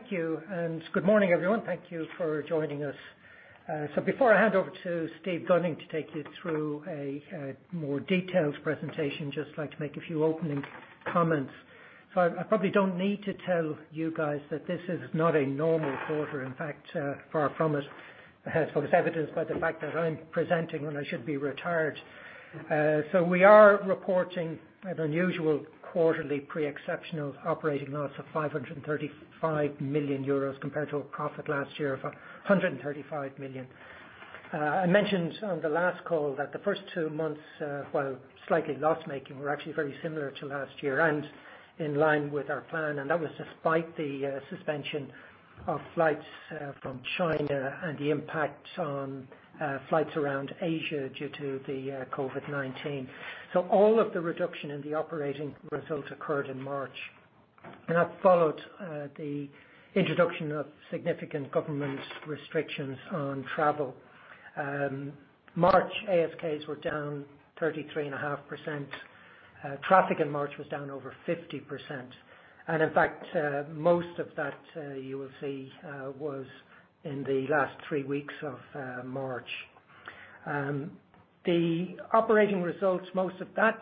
Thank you, and good morning, everyone. Thank you for joining us. Before I hand over to Steve Gunning to take you through a more detailed presentation, just like to make a few opening comments. I probably don't need to tell you guys that this is not a normal quarter. In fact, far from it. As focused evidenced by the fact that I'm presenting when I should be retired. We are reporting an unusual quarterly pre-exceptional operating loss of 535 million euros compared to a profit last year of 135 million. I mentioned on the last call that the first two months, while slightly loss-making, were actually very similar to last year and in line with our plan, and that was despite the suspension of flights from China and the impact on flights around Asia due to the COVID-19. All of the reduction in the operating results occurred in March, and that followed the introduction of significant government restrictions on travel. March ASKs were down 33.5%. Traffic in March was down over 50%. In fact, most of that, you will see, was in the last three weeks of March. The operating results, most of that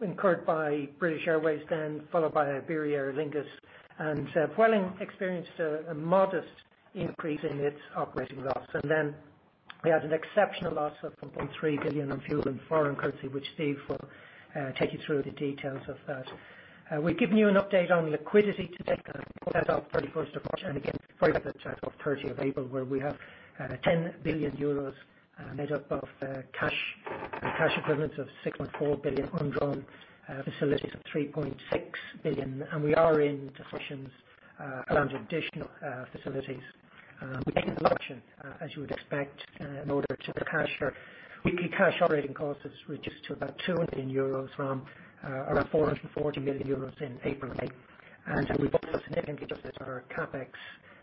incurred by British Airways, then followed by Iberia, Aer Lingus, and Vueling experienced a modest increase in its operating loss. Then we had an exceptional loss of 1.3 billion on fuel and foreign currency, which Steve will take you through the details of that. We've given you an update on liquidity to date as of 31st of March, and again, as of 30 of April, where we have 10 billion euros made up of cash. The cash equivalent of 6.4 billion undrawn facilities of 3.6 billion. We are in discussions around additional facilities, which is an option, as you would expect, in order to preserve cash. Weekly cash operating costs reduced to about 200 million euros from around 440 million euros in April and May. We've also significantly reduced our CapEx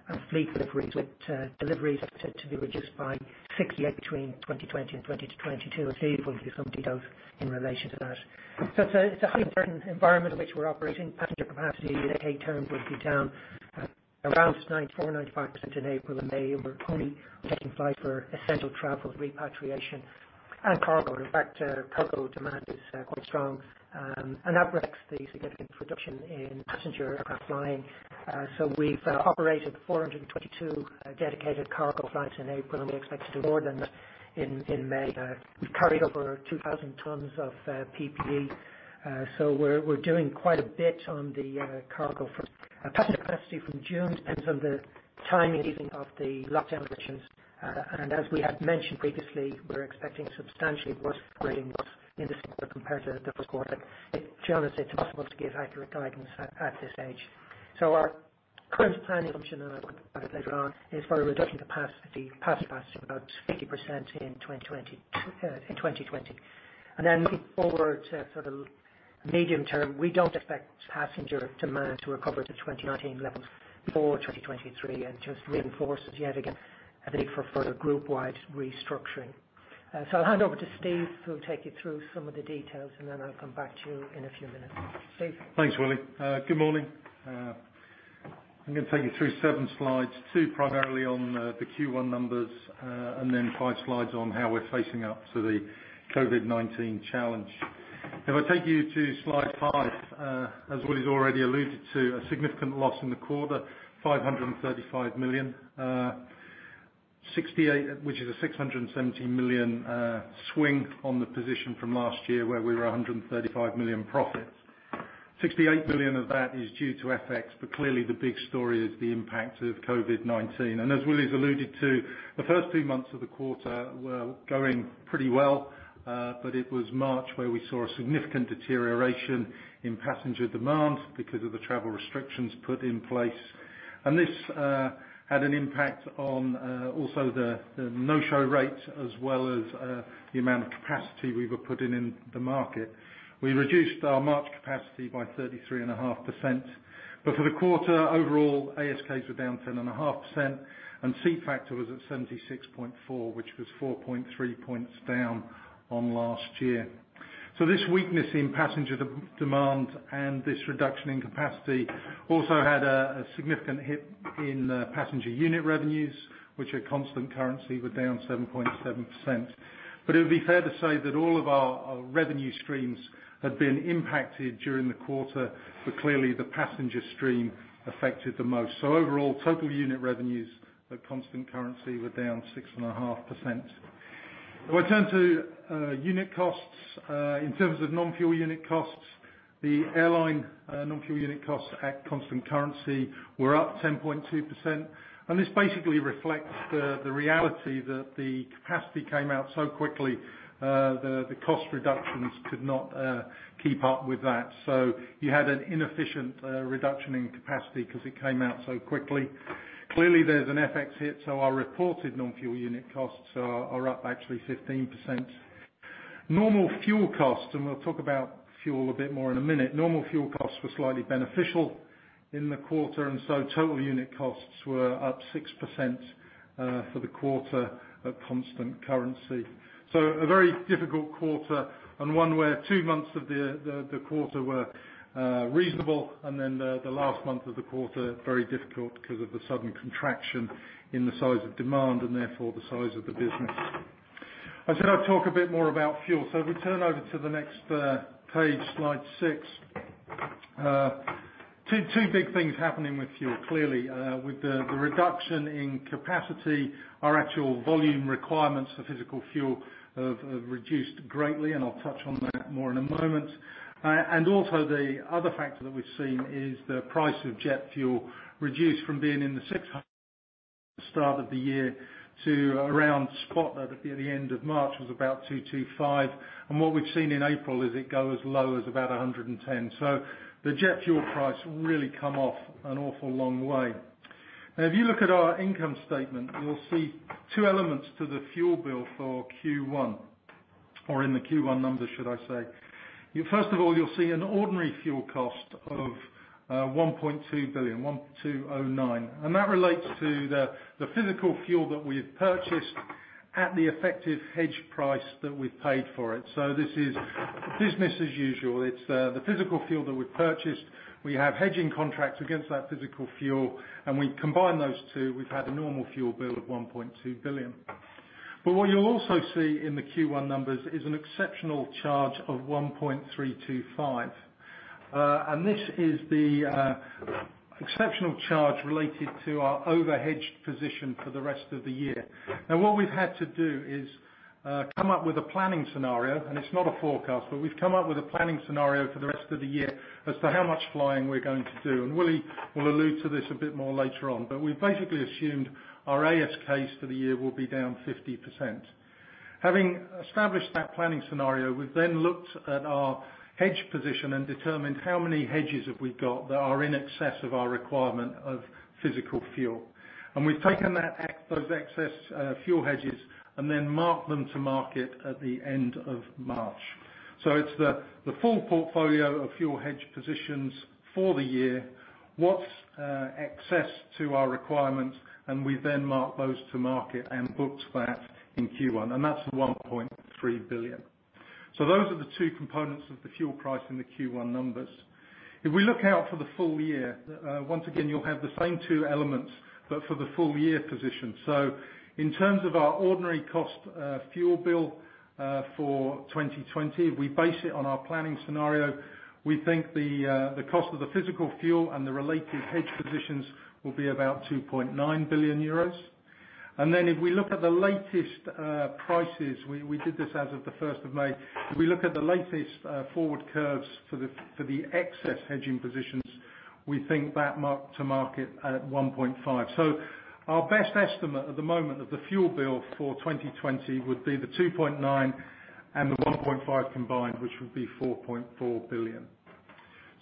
and fleet deliveries, with deliveries set to be reduced by 68 between 2020 and 2022. Steve will give you some details in relation to that. It's a highly uncertain environment in which we're operating. Passenger capacity year-to-date terms will be down around 94% or 95% in April and May. We're only taking flights for essential travel, repatriation, and cargo. In fact, cargo demand is quite strong, and that breaks the significant reduction in passenger aircraft flying. We've operated 422 dedicated cargo flights in April, and we expect to do more than that in May. We've carried over 2,000 tons of PPE. We're doing quite a bit on the cargo front. Passenger capacity from June depends on the timing easing of the lockdown restrictions. As we had mentioned previously, we're expecting substantially worse trading loss in the second half compared to the first quarter. To be honest, it's impossible to give accurate guidance at this stage. Our current planning assumption, and I'll come to that later on, is for a reduction to passenger capacity about 50% in 2020. Looking forward to sort of medium term, we don't expect passenger demand to recover to 2019 levels before 2023. Just reinforces yet again, a need for further group-wide restructuring. I'll hand over to Steve, who'll take you through some of the details, and then I'll come back to you in a few minutes. Steve? Thanks, Willie. Good morning. I'm going to take you through seven slides. Two primarily on the Q1 numbers, five slides on how we're facing up to the COVID-19 challenge. If I take you to slide five, as Willie's already alluded to, a significant loss in the quarter, 535 million. Which is a 617 million swing on the position from last year where we were 135 million profit. 68 million of that is due to FX, clearly the big story is the impact of COVID-19. As Willie's alluded to, the first two months of the quarter were going pretty well. It was March where we saw a significant deterioration in passenger demand because of the travel restrictions put in place. This had an impact on also the no-show rate, as well as the amount of capacity we were putting in the market. We reduced our March capacity by 33.5%, but for the quarter, overall, ASKs were down 10.5% and seat factor was at 76.4, which was 4.3 points down on last year. This weakness in passenger demand and this reduction in capacity also had a significant hit in passenger unit revenues, which at constant currency were down 7.7%. It would be fair to say that all of our revenue streams have been impacted during the quarter. Clearly the passenger stream affected the most. Overall, total unit revenues at constant currency were down 6.5%. If I turn to unit costs. In terms of non-fuel unit costs, the airline non-fuel unit costs at constant currency were up 10.2%. This basically reflects the reality that the capacity came out so quickly, the cost reductions could not keep up with that. You had an inefficient reduction in capacity because it came out so quickly. Clearly, there's an FX hit, so our reported non-fuel unit costs are up actually 15%. Normal fuel costs, and we'll talk about fuel a bit more in a minute. Normal fuel costs were slightly beneficial in the quarter, and so total unit costs were up 6% for the quarter at constant currency. A very difficult quarter and one where two months of the quarter were reasonable, and then the last month of the quarter, very difficult because of the sudden contraction in the size of demand, and therefore the size of the business. I said I'd talk a bit more about fuel. If we turn over to the next page, slide six. Two big things happening with fuel. Clearly, with the reduction in capacity, our actual volume requirements for physical fuel have reduced greatly, and I'll touch on that more in a moment. Also the other factor that we've seen is the price of jet fuel reduced from being in the 600 at the start of the year to around spot at the end of March, was about 225. What we've seen in April is it go as low as about 110. The jet fuel price really come off an awful long way. Now, if you look at our income statement, you'll see two elements to the fuel bill for Q1, or in the Q1 numbers should I say. First of all, you'll see an ordinary fuel cost of 1.2 billion, 1,209. That relates to the physical fuel that we've purchased at the effective hedge price that we've paid for it. This is business as usual. It's the physical fuel that we've purchased. We have hedging contracts against that physical fuel, and we combine those two. We've had a normal fuel bill of 1.2 billion. What you'll also see in the Q1 numbers is an exceptional charge of 1.325. This is the exceptional charge related to our over-hedged position for the rest of the year. What we've had to do is come up with a planning scenario, and it's not a forecast, but we've come up with a planning scenario for the rest of the year as to how much flying we're going to do, and Willie will allude to this a bit more later on. We've basically assumed our ASK case for the year will be down 50%. Having established that planning scenario, we've then looked at our hedge position and determined how many hedges have we got that are in excess of our requirement of physical fuel. We've taken those excess fuel hedges and then marked them to market at the end of March. It's the full portfolio of fuel hedge positions for the year, what's excess to our requirements, and we then mark those to market and booked that in Q1, and that's 1.3 billion. Those are the two components of the fuel price in the Q1 numbers. If we look out for the full year, once again, you'll have the same two elements, but for the full year position. In terms of our ordinary cost fuel bill for 2020, we base it on our planning scenario. We think the cost of the physical fuel and the related hedge positions will be about 2.9 billion euros. If we look at the latest prices, we did this as of the 1st of May. If we look at the latest forward curves for the excess hedging positions, we think that marked-to-market at 1.5 billion. Our best estimate at the moment of the fuel bill for 2020 would be the 2.9 billion and the 1.5 billion combined, which would be 4.4 billion.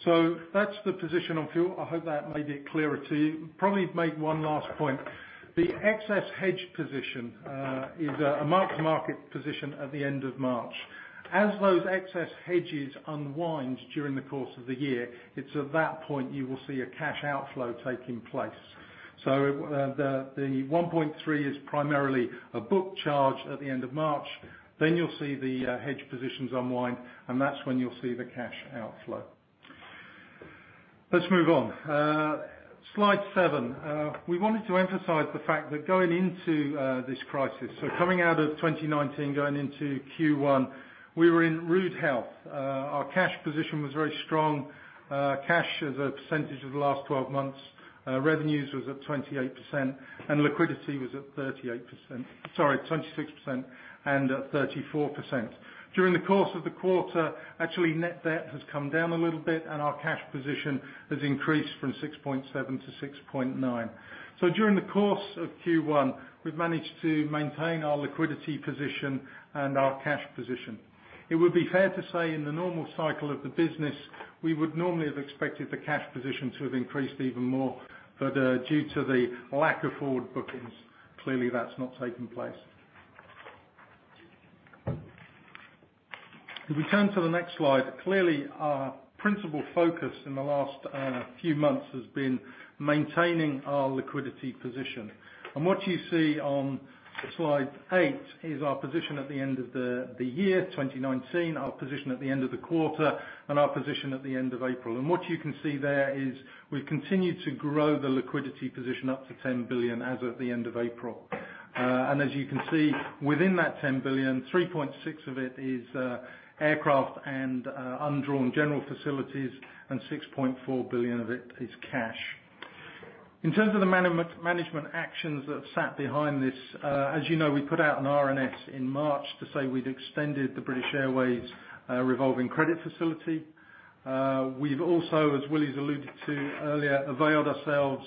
That's the position on fuel. I hope that made it clearer to you. I'll probably make one last point. The excess hedge position is a mark-to-market position at the end of March. As those excess hedges unwind during the course of the year, it's at that point you will see a cash outflow taking place. The 1.3 is primarily a book charge at the end of March, then you'll see the hedge positions unwind, and that's when you'll see the cash outflow. Let's move on. Slide seven. We wanted to emphasize the fact that going into this crisis, so coming out of 2019, going into Q1, we were in rude health. Our cash position was very strong. Cash as a percentage of the last 12 months, revenues was at 28%, and liquidity was at 38%. Sorry, 26% and at 34%. During the course of the quarter, actually, net debt has come down a little bit, and our cash position has increased from 6.7-6.9. During the course of Q1, we've managed to maintain our liquidity position and our cash position. It would be fair to say in the normal cycle of the business, we would normally have expected the cash position to have increased even more, but due to the lack of forward bookings, clearly that's not taken place. If we turn to the next slide, clearly, our principal focus in the last few months has been maintaining our liquidity position. What you see on slide eight is our position at the end of the year 2019, our position at the end of the quarter, and our position at the end of April. What you can see there is we've continued to grow the liquidity position up to 10 billion as of the end of April. As you can see, within that 10 billion, 3.6 of it is aircraft and undrawn general facilities, and 6.4 billion of it is cash. In terms of the management actions that sat behind this, as you know, we put out an RNS in March to say we'd extended the British Airways revolving credit facility. We've also, as Willie's alluded to earlier, availed ourselves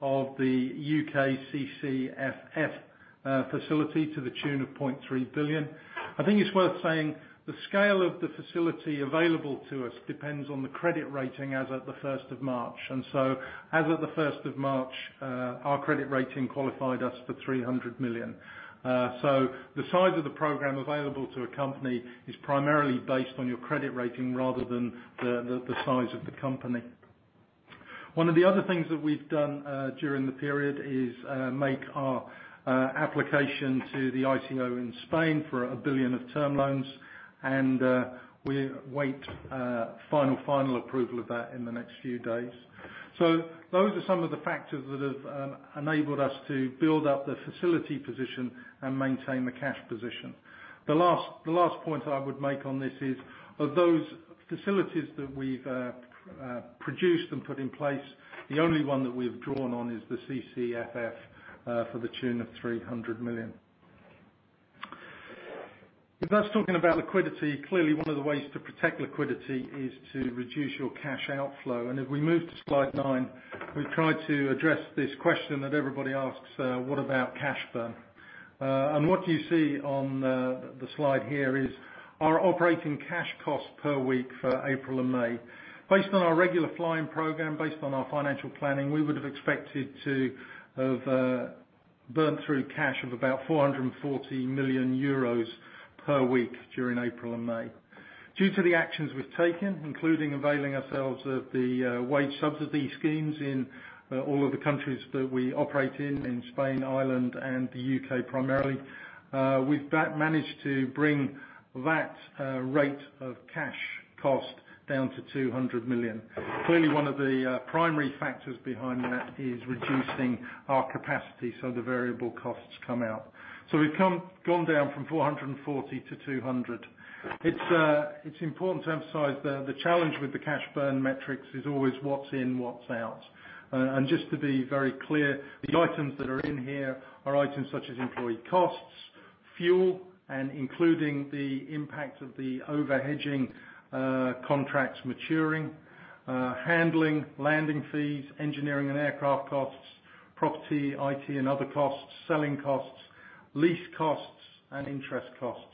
of the UK CCFF facility to the tune of 0.3 billion. I think it's worth saying the scale of the facility available to us depends on the credit rating as of the 1st of March. As of the 1st of March, our credit rating qualified us for 300 million. The size of the program available to a company is primarily based on your credit rating rather than the size of the company. One of the other things that we've done during the period is make our application to the ICO in Spain for 1 billion of term loans, and we await final approval of that in the next few days. Those are some of the factors that have enabled us to build up the facility position and maintain the cash position. The last point I would make on this is, of those facilities that we've produced and put in place, the only one that we've drawn on is the CCFF for the tune of 300 million. If that's talking about liquidity, clearly one of the ways to protect liquidity is to reduce your cash outflow. If we move to slide nine, we've tried to address this question that everybody asks, what about cash burn? What you see on the slide here is our operating cash cost per week for April and May. Based on our regular flying program, based on our financial planning, we would have expected to have burnt through cash of about 440 million euros per week during April and May. Due to the actions we've taken, including availing ourselves of the wage subsidy schemes in all of the countries that we operate in Spain, Ireland, and the U.K. primarily, we've managed to bring that rate of cash cost down to 200 million. Clearly, one of the primary factors behind that is reducing our capacity so the variable costs come out. We've gone down from 440-200. It's important to emphasize the challenge with the cash burn metrics is always what's in, what's out. Just to be very clear, the items that are in here are items such as employee costs, fuel, and including the impact of the over-hedging contracts maturing, handling, landing fees, engineering and aircraft costs, property, IT and other costs, selling costs, lease costs, and interest costs.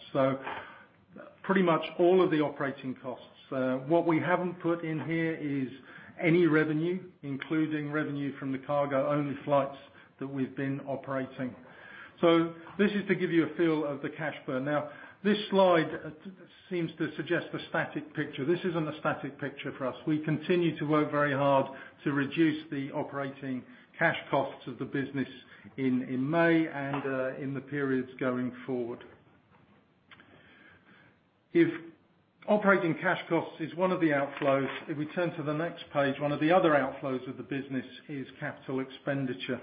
Pretty much all of the operating costs. What we haven't put in here is any revenue, including revenue from the cargo-only flights that we've been operating. This is to give you a feel of the cash burn. Now, this slide seems to suggest a static picture. This isn't a static picture for us. We continue to work very hard to reduce the operating cash costs of the business in May and in the periods going forward. If operating cash costs is one of the outflows, if we turn to the next page, one of the other outflows of the business is capital expenditure.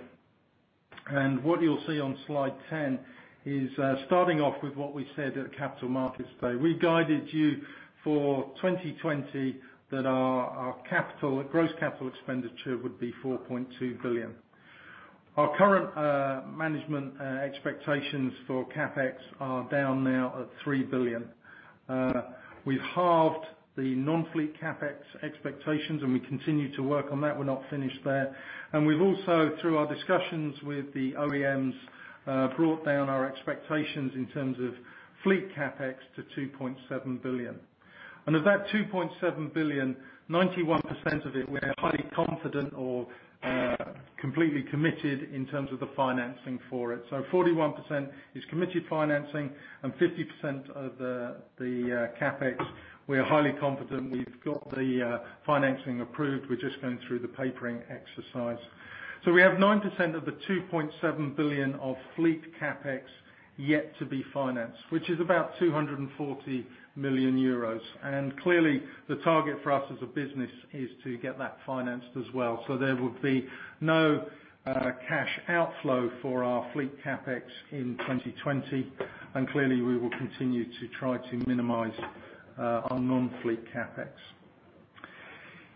What you'll see on slide 10 is starting off with what we said at Capital Markets Day. We guided you for 2020 that our capital, gross capital expenditure would be 4.2 billion. Our current management expectations for CapEx are down now at 3 billion. We've halved the non-fleet CapEx expectations. We continue to work on that. We're not finished there. We've also, through our discussions with the OEMs, brought down our expectations in terms of fleet CapEx to 2.7 billion. Of that 2.7 billion, 91% of it, we're highly confident or completely committed in terms of the financing for it. 41% is committed financing and 50% of the CapEx, we are highly confident we've got the financing approved. We're just going through the papering exercise. We have 9% of the 2.7 billion of fleet CapEx yet to be financed, which is about 240 million euros. Clearly, the target for us as a business is to get that financed as well. There will be no cash outflow for our fleet CapEx in 2020. Clearly, we will continue to try to minimize our non-fleet CapEx.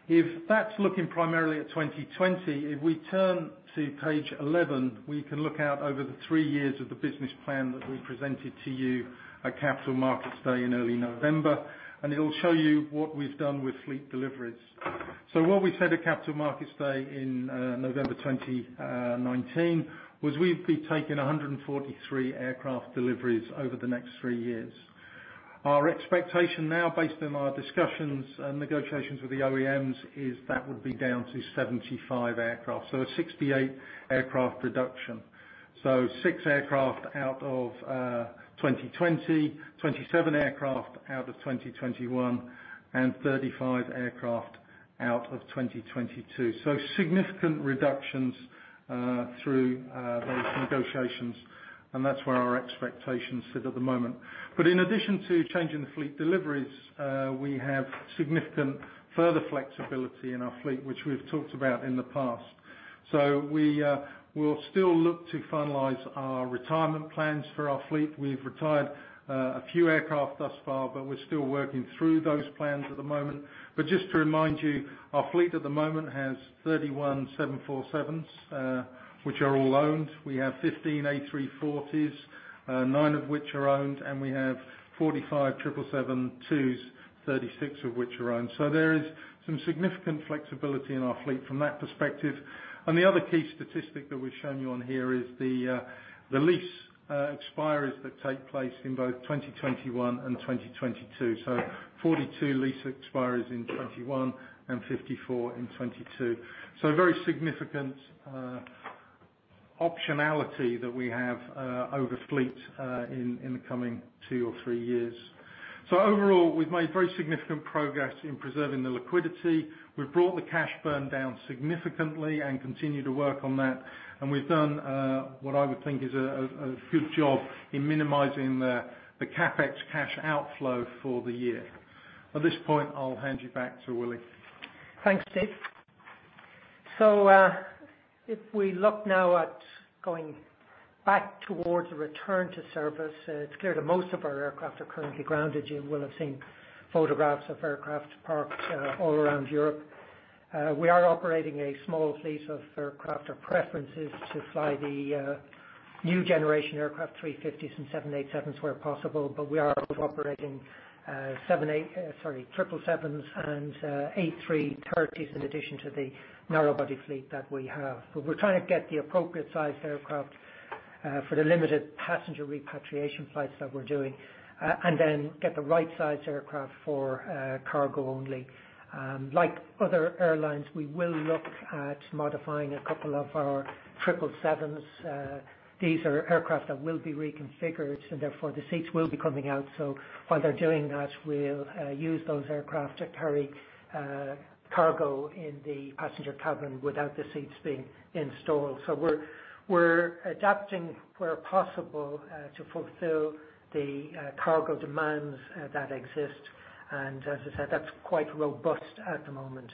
If that's looking primarily at 2020, if we turn to page 11, we can look out over the three years of the business plan that we presented to you at Capital Markets Day in early November, it'll show you what we've done with fleet deliveries. What we said at Capital Markets Day in November 2019 was we'd be taking 143 aircraft deliveries over the next three years. Our expectation now, based on our discussions and negotiations with the OEMs, is that would be down to 75 aircraft. A 68 aircraft reduction. Six aircraft out of 2020, 27 aircraft out of 2021, and 35 aircraft out of 2022. Significant reductions through those negotiations, and that's where our expectations sit at the moment. In addition to changing the fleet deliveries, we have significant further flexibility in our fleet, which we've talked about in the past. We will still look to finalize our retirement plans for our fleet. We've retired a few aircraft thus far, but we're still working through those plans at the moment. Just to remind you, our fleet at the moment has 31 747s, which are all owned. We have 15 A340s, nine of which are owned, and we have 45 777-2s, 36 of which are owned. There is some significant flexibility in our fleet from that perspective. The other key statistic that we've shown you on here is the lease expiries that take place in both 2021 and 2022. 42 lease expiries in 2021 and 54 in 2022. A very significant optionality that we have over fleet in the coming two or three years. Overall, we've made very significant progress in preserving the liquidity. We've brought the cash burn down significantly and continue to work on that, and we've done what I would think is a good job in minimizing the CapEx cash outflow for the year. At this point, I'll hand you back to Willie. Thanks, Steve. If we look now at going back towards a return to service, it is clear that most of our aircraft are currently grounded. You will have seen photographs of aircraft parked all around Europe. We are operating a small fleet of aircraft. Our preference is to fly the new generation aircraft, A350s and 787s where possible, but we are also operating 777s and A330s in addition to the narrow-body fleet that we have. We are trying to get the appropriate size aircraft for the limited passenger repatriation flights that we are doing, and then get the right size aircraft for cargo only. Like other airlines, we will look at modifying a couple of our 777s. These are aircraft that will be reconfigured, so therefore the seats will be coming out. While they're doing that, we'll use those aircraft to carry cargo in the passenger cabin without the seats being installed. We're adapting where possible to fulfill the cargo demands that exist. As I said, that's quite robust at the moment.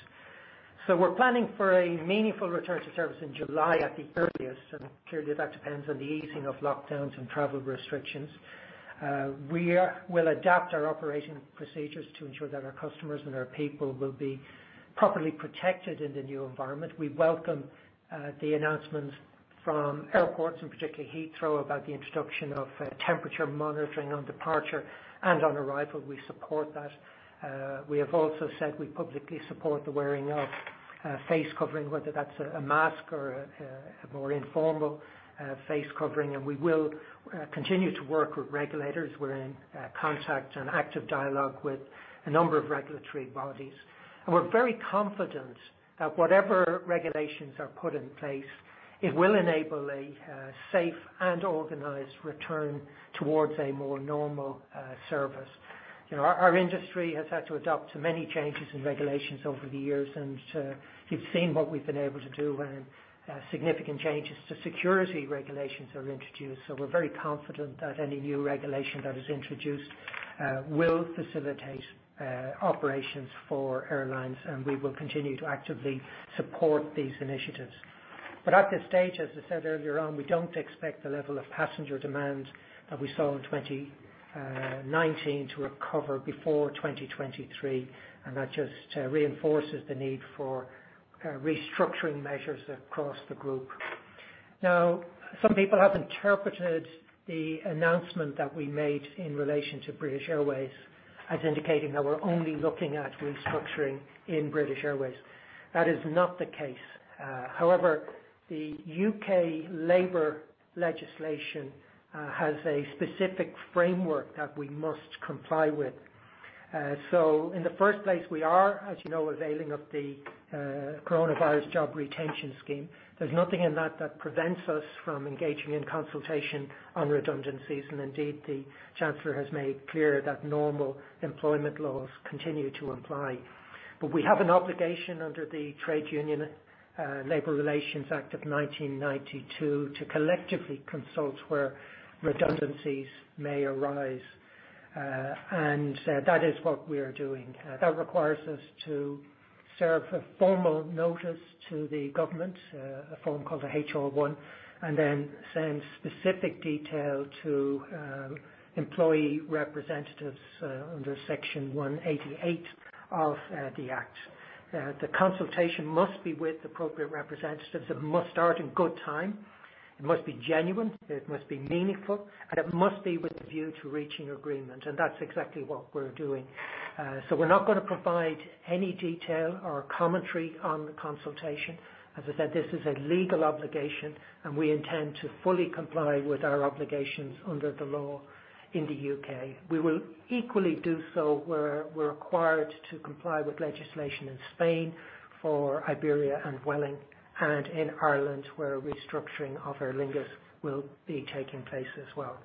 We're planning for a meaningful return to service in July at the earliest, and clearly that depends on the easing of lockdowns and travel restrictions. We will adapt our operating procedures to ensure that our customers and our people will be properly protected in the new environment. We welcome the announcements from airports, and particularly Heathrow, about the introduction of temperature monitoring on departure and on arrival. We support that. We have also said we publicly support the wearing of face covering, whether that's a mask or a more informal face covering, and we will continue to work with regulators. We're in contact and active dialogue with a number of regulatory bodies. We're very confident that whatever regulations are put in place, it will enable a safe and organized return towards a more normal service. Our industry has had to adapt to many changes in regulations over the years, and you've seen what we've been able to do when significant changes to security regulations are introduced. We're very confident that any new regulation that is introduced will facilitate operations for airlines, and we will continue to actively support these initiatives. At this stage, as I said earlier on, we don't expect the level of passenger demand that we saw in 2019 to recover before 2023, and that just reinforces the need for restructuring measures across the group. Some people have interpreted the announcement that we made in relation to British Airways as indicating that we're only looking at restructuring in British Airways. That is not the case. The U.K. labor legislation has a specific framework that we must comply with. In the first place, we are, as you know, availing of the Coronavirus Job Retention Scheme. There's nothing in that that prevents us from engaging in consultation on redundancies. Indeed, the Chancellor has made clear that normal employment laws continue to apply. We have an obligation under the Trade Union Labour Relations Act of 1992 to collectively consult where redundancies may arise. That is what we are doing. That requires us to serve a formal notice to the government, a form called an HR1, and then send specific detail to employee representatives under Section 188 of the act. The consultation must be with appropriate representatives. It must start in good time. It must be genuine, it must be meaningful, and it must be with a view to reaching agreement, and that's exactly what we're doing. We're not going to provide any detail or commentary on the consultation. As I said, this is a legal obligation, and we intend to fully comply with our obligations under the law in the U.K. We will equally do so where we're required to comply with legislation in Spain for Iberia and Vueling and in Ireland, where restructuring of Aer Lingus will be taking place as well.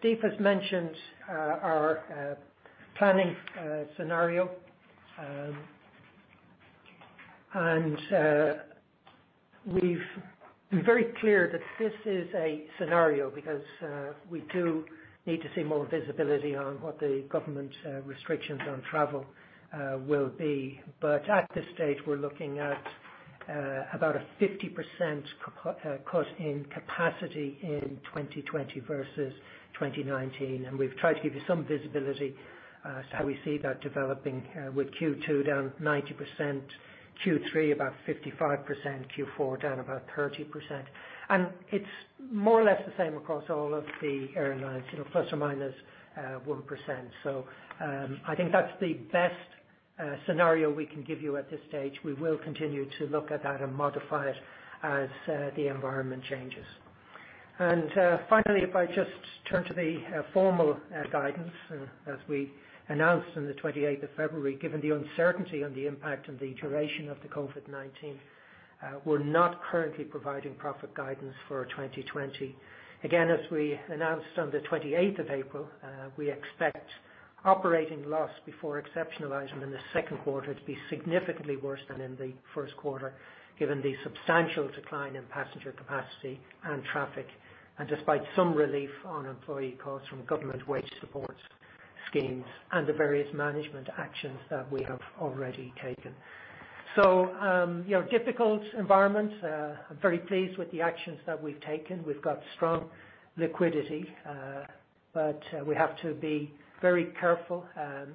Steve has mentioned our planning scenario. We've been very clear that this is a scenario because we do need to see more visibility on what the government restrictions on travel will be. At this stage, we're looking at about a 50% cut in capacity in 2020 versus 2019. We've tried to give you some visibility as to how we see that developing with Q2 down 90%, Q3 about 55%, Q4 down about 30%. It's more or less the same across all of the airlines, plus or minus 1%. I think that's the best scenario we can give you at this stage. We will continue to look at that and modify it as the environment changes. Finally, if I just turn to the formal guidance, as we announced on the 28th of February, given the uncertainty on the impact and the duration of the COVID-19, we're not currently providing profit guidance for 2020. As we announced on the 28th of April, we expect operating loss before exceptional item in the second quarter to be significantly worse than in the first quarter, given the substantial decline in passenger capacity and traffic. Despite some relief on employee costs from government wage support schemes and the various management actions that we have already taken. Difficult environment. I'm very pleased with the actions that we've taken. We've got strong liquidity. We have to be very careful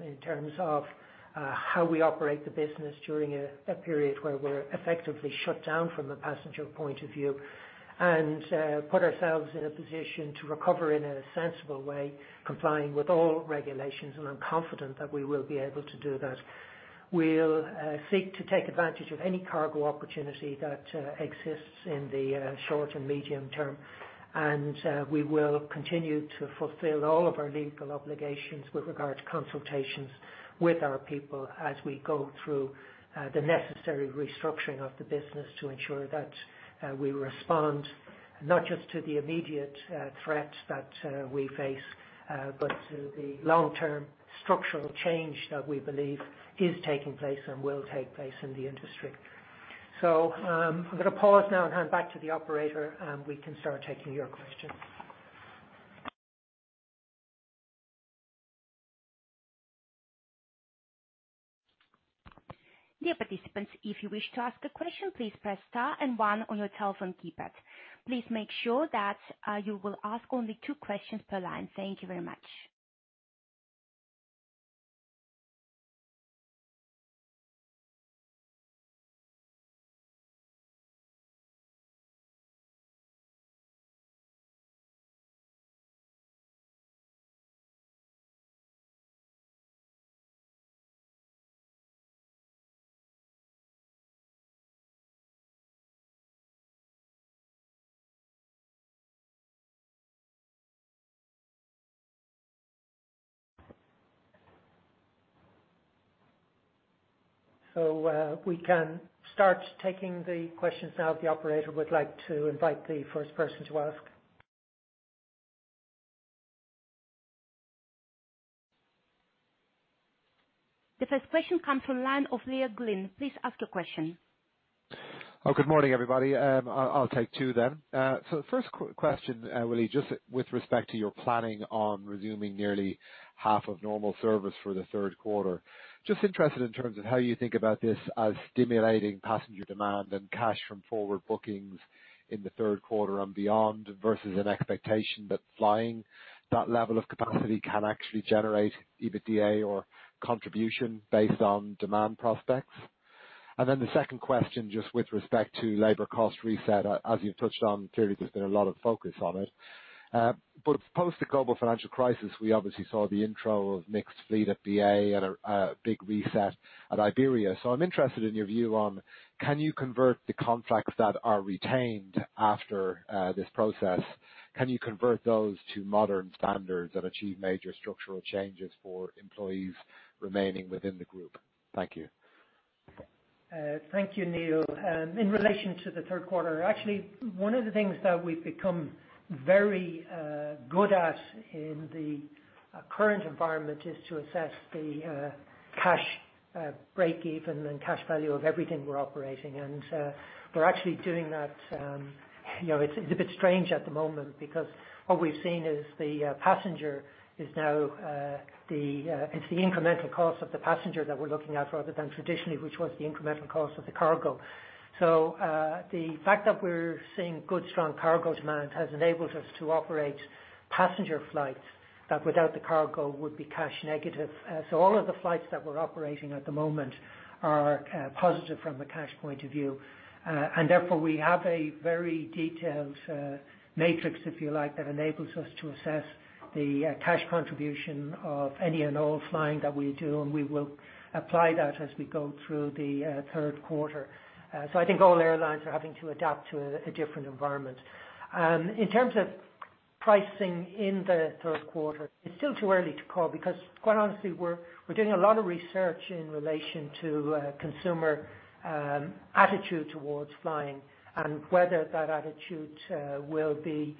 in terms of how we operate the business during a period where we're effectively shut down from a passenger point of view. Put ourselves in a position to recover in a sensible way, complying with all regulations, and I'm confident that we will be able to do that. We'll seek to take advantage of any cargo opportunity that exists in the short and medium term. We will continue to fulfill all of our legal obligations with regard to consultations with our people as we go through the necessary restructuring of the business to ensure that we respond not just to the immediate threat that we face, but to the long-term structural change that we believe is taking place and will take place in the industry. I'm going to pause now and hand back to the operator. We can start taking your questions. Dear participants, if you wish to ask a question, please press star and one on your telephone keypad. Please make sure that you will ask only two questions per line. Thank you very much. We can start taking the questions now. The operator would like to invite the first person to ask. The first question comes from the line of Neil Glynn. Please ask your question. Good morning, everybody. I'll take two then. The first question, Willie, just with respect to your planning on resuming nearly half of normal service for the third quarter. Just interested in terms of how you think about this as stimulating passenger demand and cash from forward bookings in the third quarter and beyond versus an expectation that flying that level of capacity can actually generate EBITDA or contribution based on demand prospects. Then the second question, just with respect to labor cost reset, as you've touched on, clearly, there's been a lot of focus on it. Post the global financial crisis, we obviously saw the intro of Mixed Fleet at BA and a big reset at Iberia. I'm interested in your view on, can you convert the contracts that are retained after this process? Can you convert those to modern standards that achieve major structural changes for employees remaining within the group? Thank you. Thank you, Neil. In relation to the third quarter, actually, one of the things that we've become very good at in the current environment is to assess the cash breakeven and cash value of everything we're operating. We're actually doing that. It's a bit strange at the moment because what we've seen is the incremental cost of the passenger that we're looking at rather than traditionally, which was the incremental cost of the cargo. The fact that we're seeing good, strong cargo demand has enabled us to operate passenger flights that without the cargo would be cash negative. All of the flights that we're operating at the moment are positive from a cash point of view. Therefore, we have a very detailed matrix, if you like, that enables us to assess the cash contribution of any and all flying that we do, and we will apply that as we go through the third quarter. I think all airlines are having to adapt to a different environment. In terms of pricing in the third quarter, it's still too early to call because, quite honestly, we're doing a lot of research in relation to consumer attitude towards flying and whether that attitude will be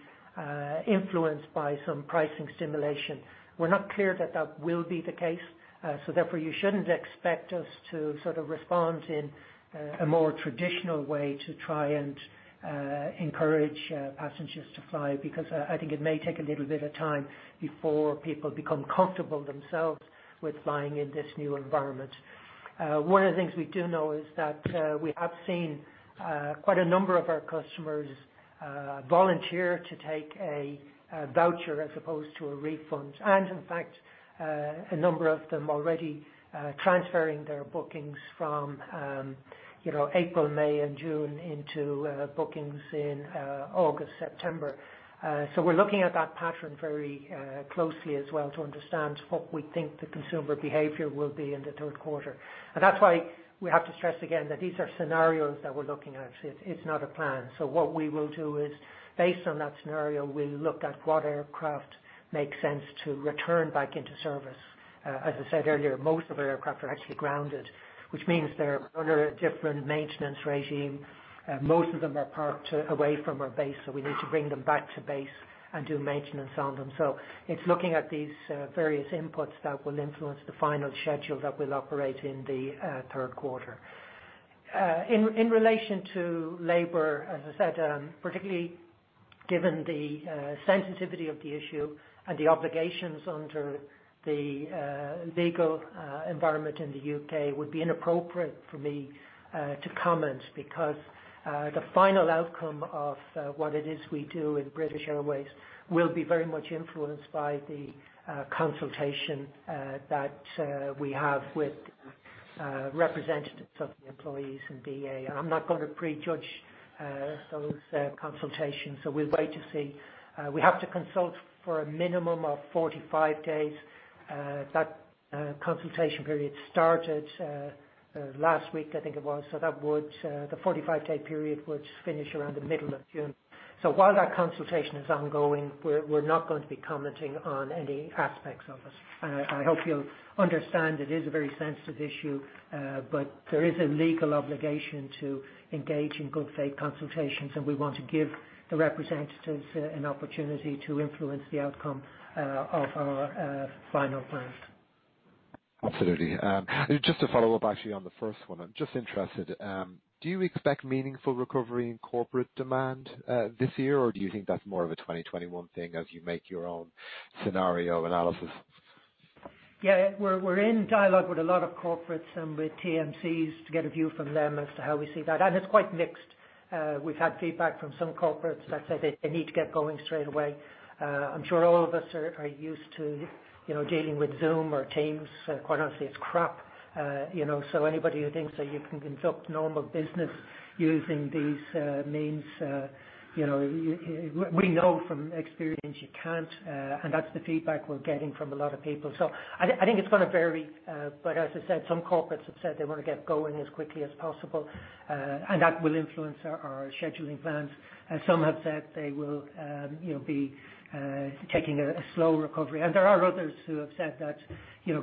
influenced by some pricing stimulation. We're not clear that that will be the case. Therefore, you shouldn't expect us to sort of respond in a more traditional way to try and encourage passengers to fly, because I think it may take a little bit of time before people become comfortable themselves with flying in this new environment. One of the things we do know is that we have seen quite a number of our customers volunteer to take a voucher as opposed to a refund, and in fact, a number of them already transferring their bookings from April, May, and June into bookings in August, September. We're looking at that pattern very closely as well to understand what we think the consumer behavior will be in the third quarter. That's why we have to stress again that these are scenarios that we're looking at. It's not a plan. What we will do is based on that scenario, we look at what aircraft makes sense to return back into service. As I said earlier, most of our aircraft are actually grounded, which means they're under a different maintenance regime. Most of them are parked away from our base, so we need to bring them back to base and do maintenance on them. It's looking at these various inputs that will influence the final schedule that we'll operate in the third quarter. In relation to labor, as I said, particularly given the sensitivity of the issue and the obligations under the legal environment in the U.K., would be inappropriate for me to comment, because the final outcome of what it is we do in British Airways will be very much influenced by the consultation that we have with representatives of the employees in BA. I'm not going to prejudge those consultations, we'll wait to see. We have to consult for a minimum of 45 days. That consultation period started last week, I think it was. The 45-day period would finish around the middle of June. While that consultation is ongoing, we're not going to be commenting on any aspects of it. I hope you'll understand it is a very sensitive issue. There is a legal obligation to engage in good faith consultations, and we want to give the representatives an opportunity to influence the outcome of our final plans. Absolutely. Just to follow up, actually, on the first one. I'm just interested. Do you expect meaningful recovery in corporate demand this year, or do you think that's more of a 2021 thing as you make your own scenario analysis? We're in dialogue with a lot of corporates and with TMCs to get a view from them as to how we see that, and it's quite mixed. We've had feedback from some corporates that say they need to get going straight away. I'm sure all of us are used to dealing with Zoom or Teams. Quite honestly, it's crap. Anybody who thinks that you can conduct normal business using these means, we know from experience you can't. That's the feedback we're getting from a lot of people. I think it's going to vary. As I said, some corporates have said they want to get going as quickly as possible. That will influence our scheduling plans. Some have said they will be taking a slow recovery. There are others who have said that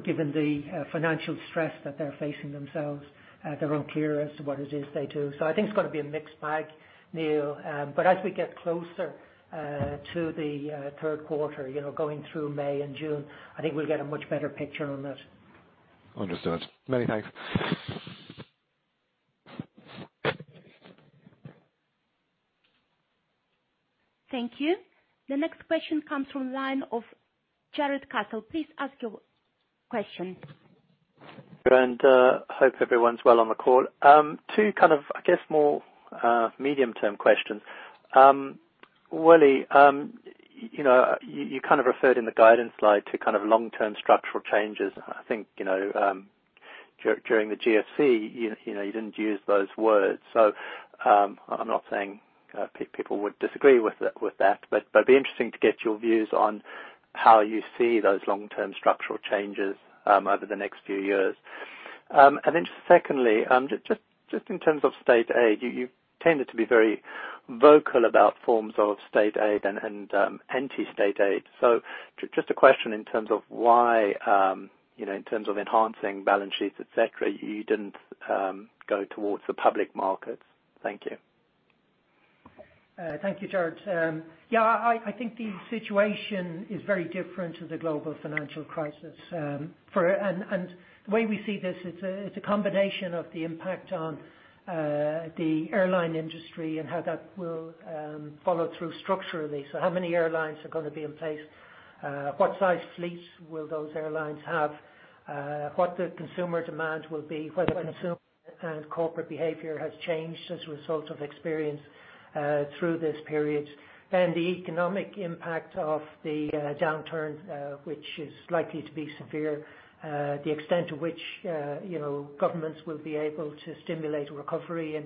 given the financial stress that they're facing themselves, they're unclear as to what it is they do. I think it's going to be a mixed bag, Neil. As we get closer to the third quarter, going through May and June, I think we'll get a much better picture on it. Understood. Many thanks. Thank you. The next question comes from the line of Jarrod Castle. Please ask your question. Hope everyone's well on the call. Two kind of, I guess, more medium-term questions. Willie, you referred in the guidance slide to long-term structural changes. I think during the GFC, you didn't use those words. I'm not saying people would disagree with that, but it'd be interesting to get your views on how you see those long-term structural changes over the next few years. Then secondly, just in terms of state aid, you've tended to be very vocal about forms of state aid and anti-state aid. Just a question in terms of why, in terms of enhancing balance sheets, et cetera, you didn't go towards the public markets. Thank you. Thank you, Jarrod. Yeah, I think the situation is very different to the global financial crisis. The way we see this, it's a combination of the impact on the airline industry and how that will follow through structurally. How many airlines are going to be in place? What size fleets will those airlines have? What the consumer demand will be, whether consumer and corporate behavior has changed as a result of experience through this period. The economic impact of the downturn, which is likely to be severe. The extent to which governments will be able to stimulate a recovery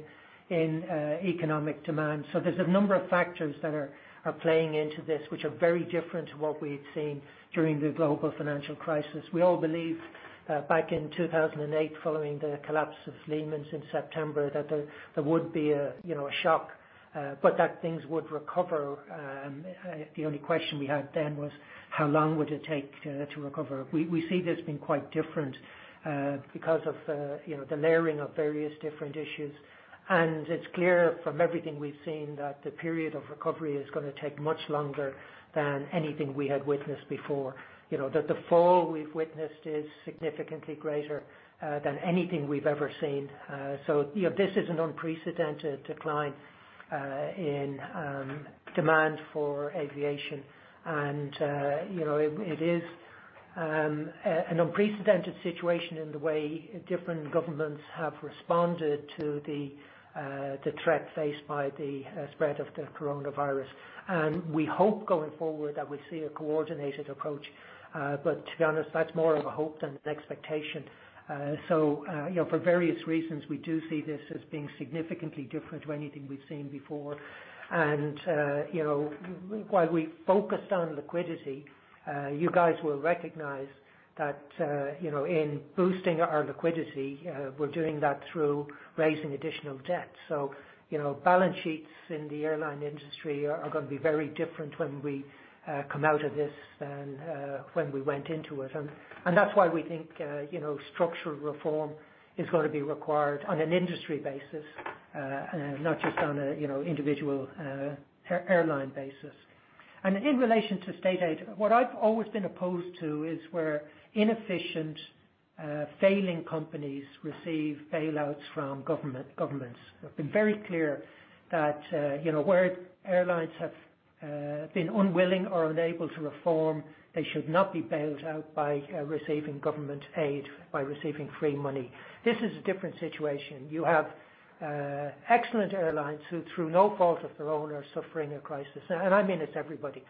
in economic demand. There's a number of factors that are playing into this, which are very different to what we had seen during the global financial crisis. We all believed back in 2008, following the collapse of Lehman's in September, that there would be a shock. That things would recover. The only question we had then was how long would it take to recover? We see this being quite different because of the layering of various different issues. It's clear from everything we've seen that the period of recovery is going to take much longer than anything we had witnessed before. That the fall we've witnessed is significantly greater than anything we've ever seen. This is an unprecedented decline in demand for aviation. It is an unprecedented situation in the way different governments have responded to the threat faced by the spread of the coronavirus. We hope going forward that we see a coordinated approach. To be honest, that's more of a hope than an expectation. For various reasons, we do see this as being significantly different to anything we've seen before. While we focused on liquidity, you guys will recognize that in boosting our liquidity, we're doing that through raising additional debt. Balance sheets in the airline industry are going to be very different when we come out of this than when we went into it. That's why we think structural reform is going to be required on an industry basis, not just on a individual airline basis. In relation to state aid, what I've always been opposed to is where inefficient, failing companies receive bailouts from governments. I've been very clear that where airlines have been unwilling or unable to reform, they should not be bailed out by receiving government aid, by receiving free money. This is a different situation. You have excellent airlines who, through no fault of their own, are suffering a crisis. I mean, it's everybody.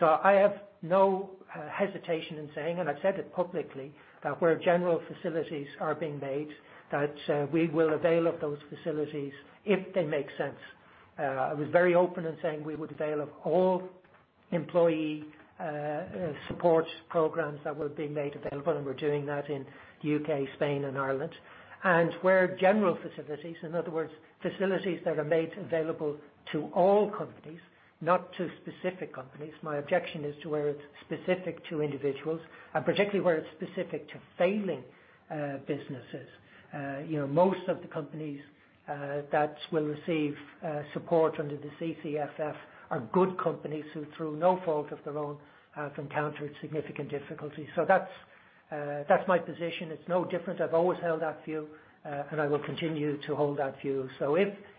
I have no hesitation in saying, and I've said it publicly, that where general facilities are being made, that we will avail of those facilities if they make sense. I was very open in saying we would avail of all employee support programs that were being made available, and we're doing that in U.K., Spain, and Ireland. Where general facilities, in other words, facilities that are made available to all companies, not to specific companies. My objection is to where it's specific to individuals and particularly where it's specific to failing businesses. Most of the companies that will receive support under the CCFF are good companies who, through no fault of their own, have encountered significant difficulties. That's my position. It's no different. I've always held that view, and I will continue to hold that view.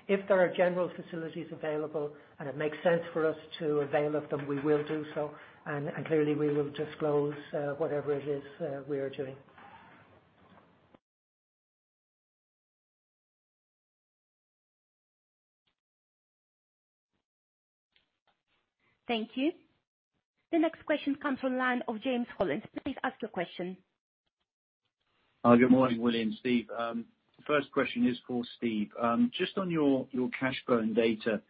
If there are general facilities available and it makes sense for us to avail of them, we will do so. Clearly, we will disclose whatever it is we are doing. Thank you. The next question comes from line of James Hollins. Please ask your question. Good morning, Willie and Steve. First question is for Steve. Just on your cash burn data,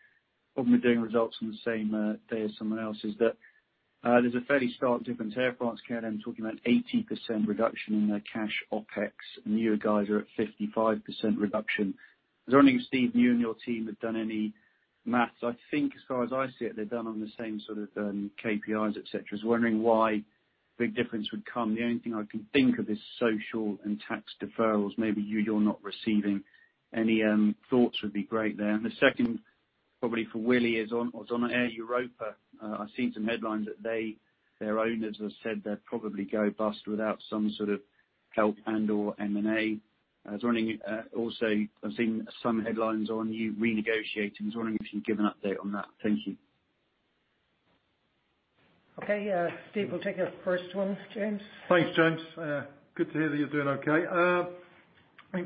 probably doing results on the same day as someone else's. There's a fairly stark difference. Air France-KLM talking about 80% reduction in their cash OpEx. You guys are at 55% reduction. I was wondering, Steve, you and your team have done any math. I think as far as I see it, they're done on the same sort of KPIs, et cetera. I was wondering why the big difference would come. The only thing I can think of is social and tax deferrals. Maybe you're not receiving any. Thoughts would be great there. The second, probably for Willie, is on Air Europa. I've seen some headlines that their owners have said they'd probably go bust without some sort of help and/or M&A. Also, I've seen some headlines on you renegotiating. I was wondering if you'd give an update on that. Thank you. Okay. Steve will take the first one, James. Thanks, James. Good to hear that you're doing okay.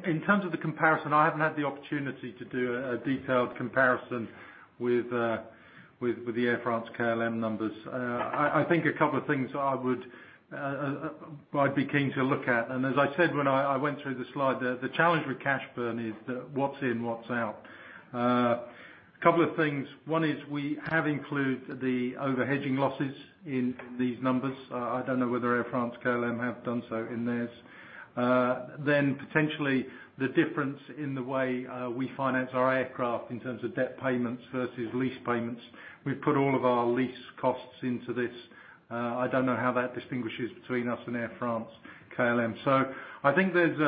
In terms of the comparison, I haven't had the opportunity to do a detailed comparison with the Air France-KLM numbers. I think a couple of things I'd be keen to look at, and as I said when I went through the slide, the challenge with cash burn is the what's in, what's out. A couple of things. One is we have included the over-hedging losses in these numbers. I don't know whether Air France-KLM have done so in theirs. Potentially the difference in the way we finance our aircraft in terms of debt payments versus lease payments. We've put all of our lease costs into this. I don't know how that distinguishes between us and Air France-KLM. I think there's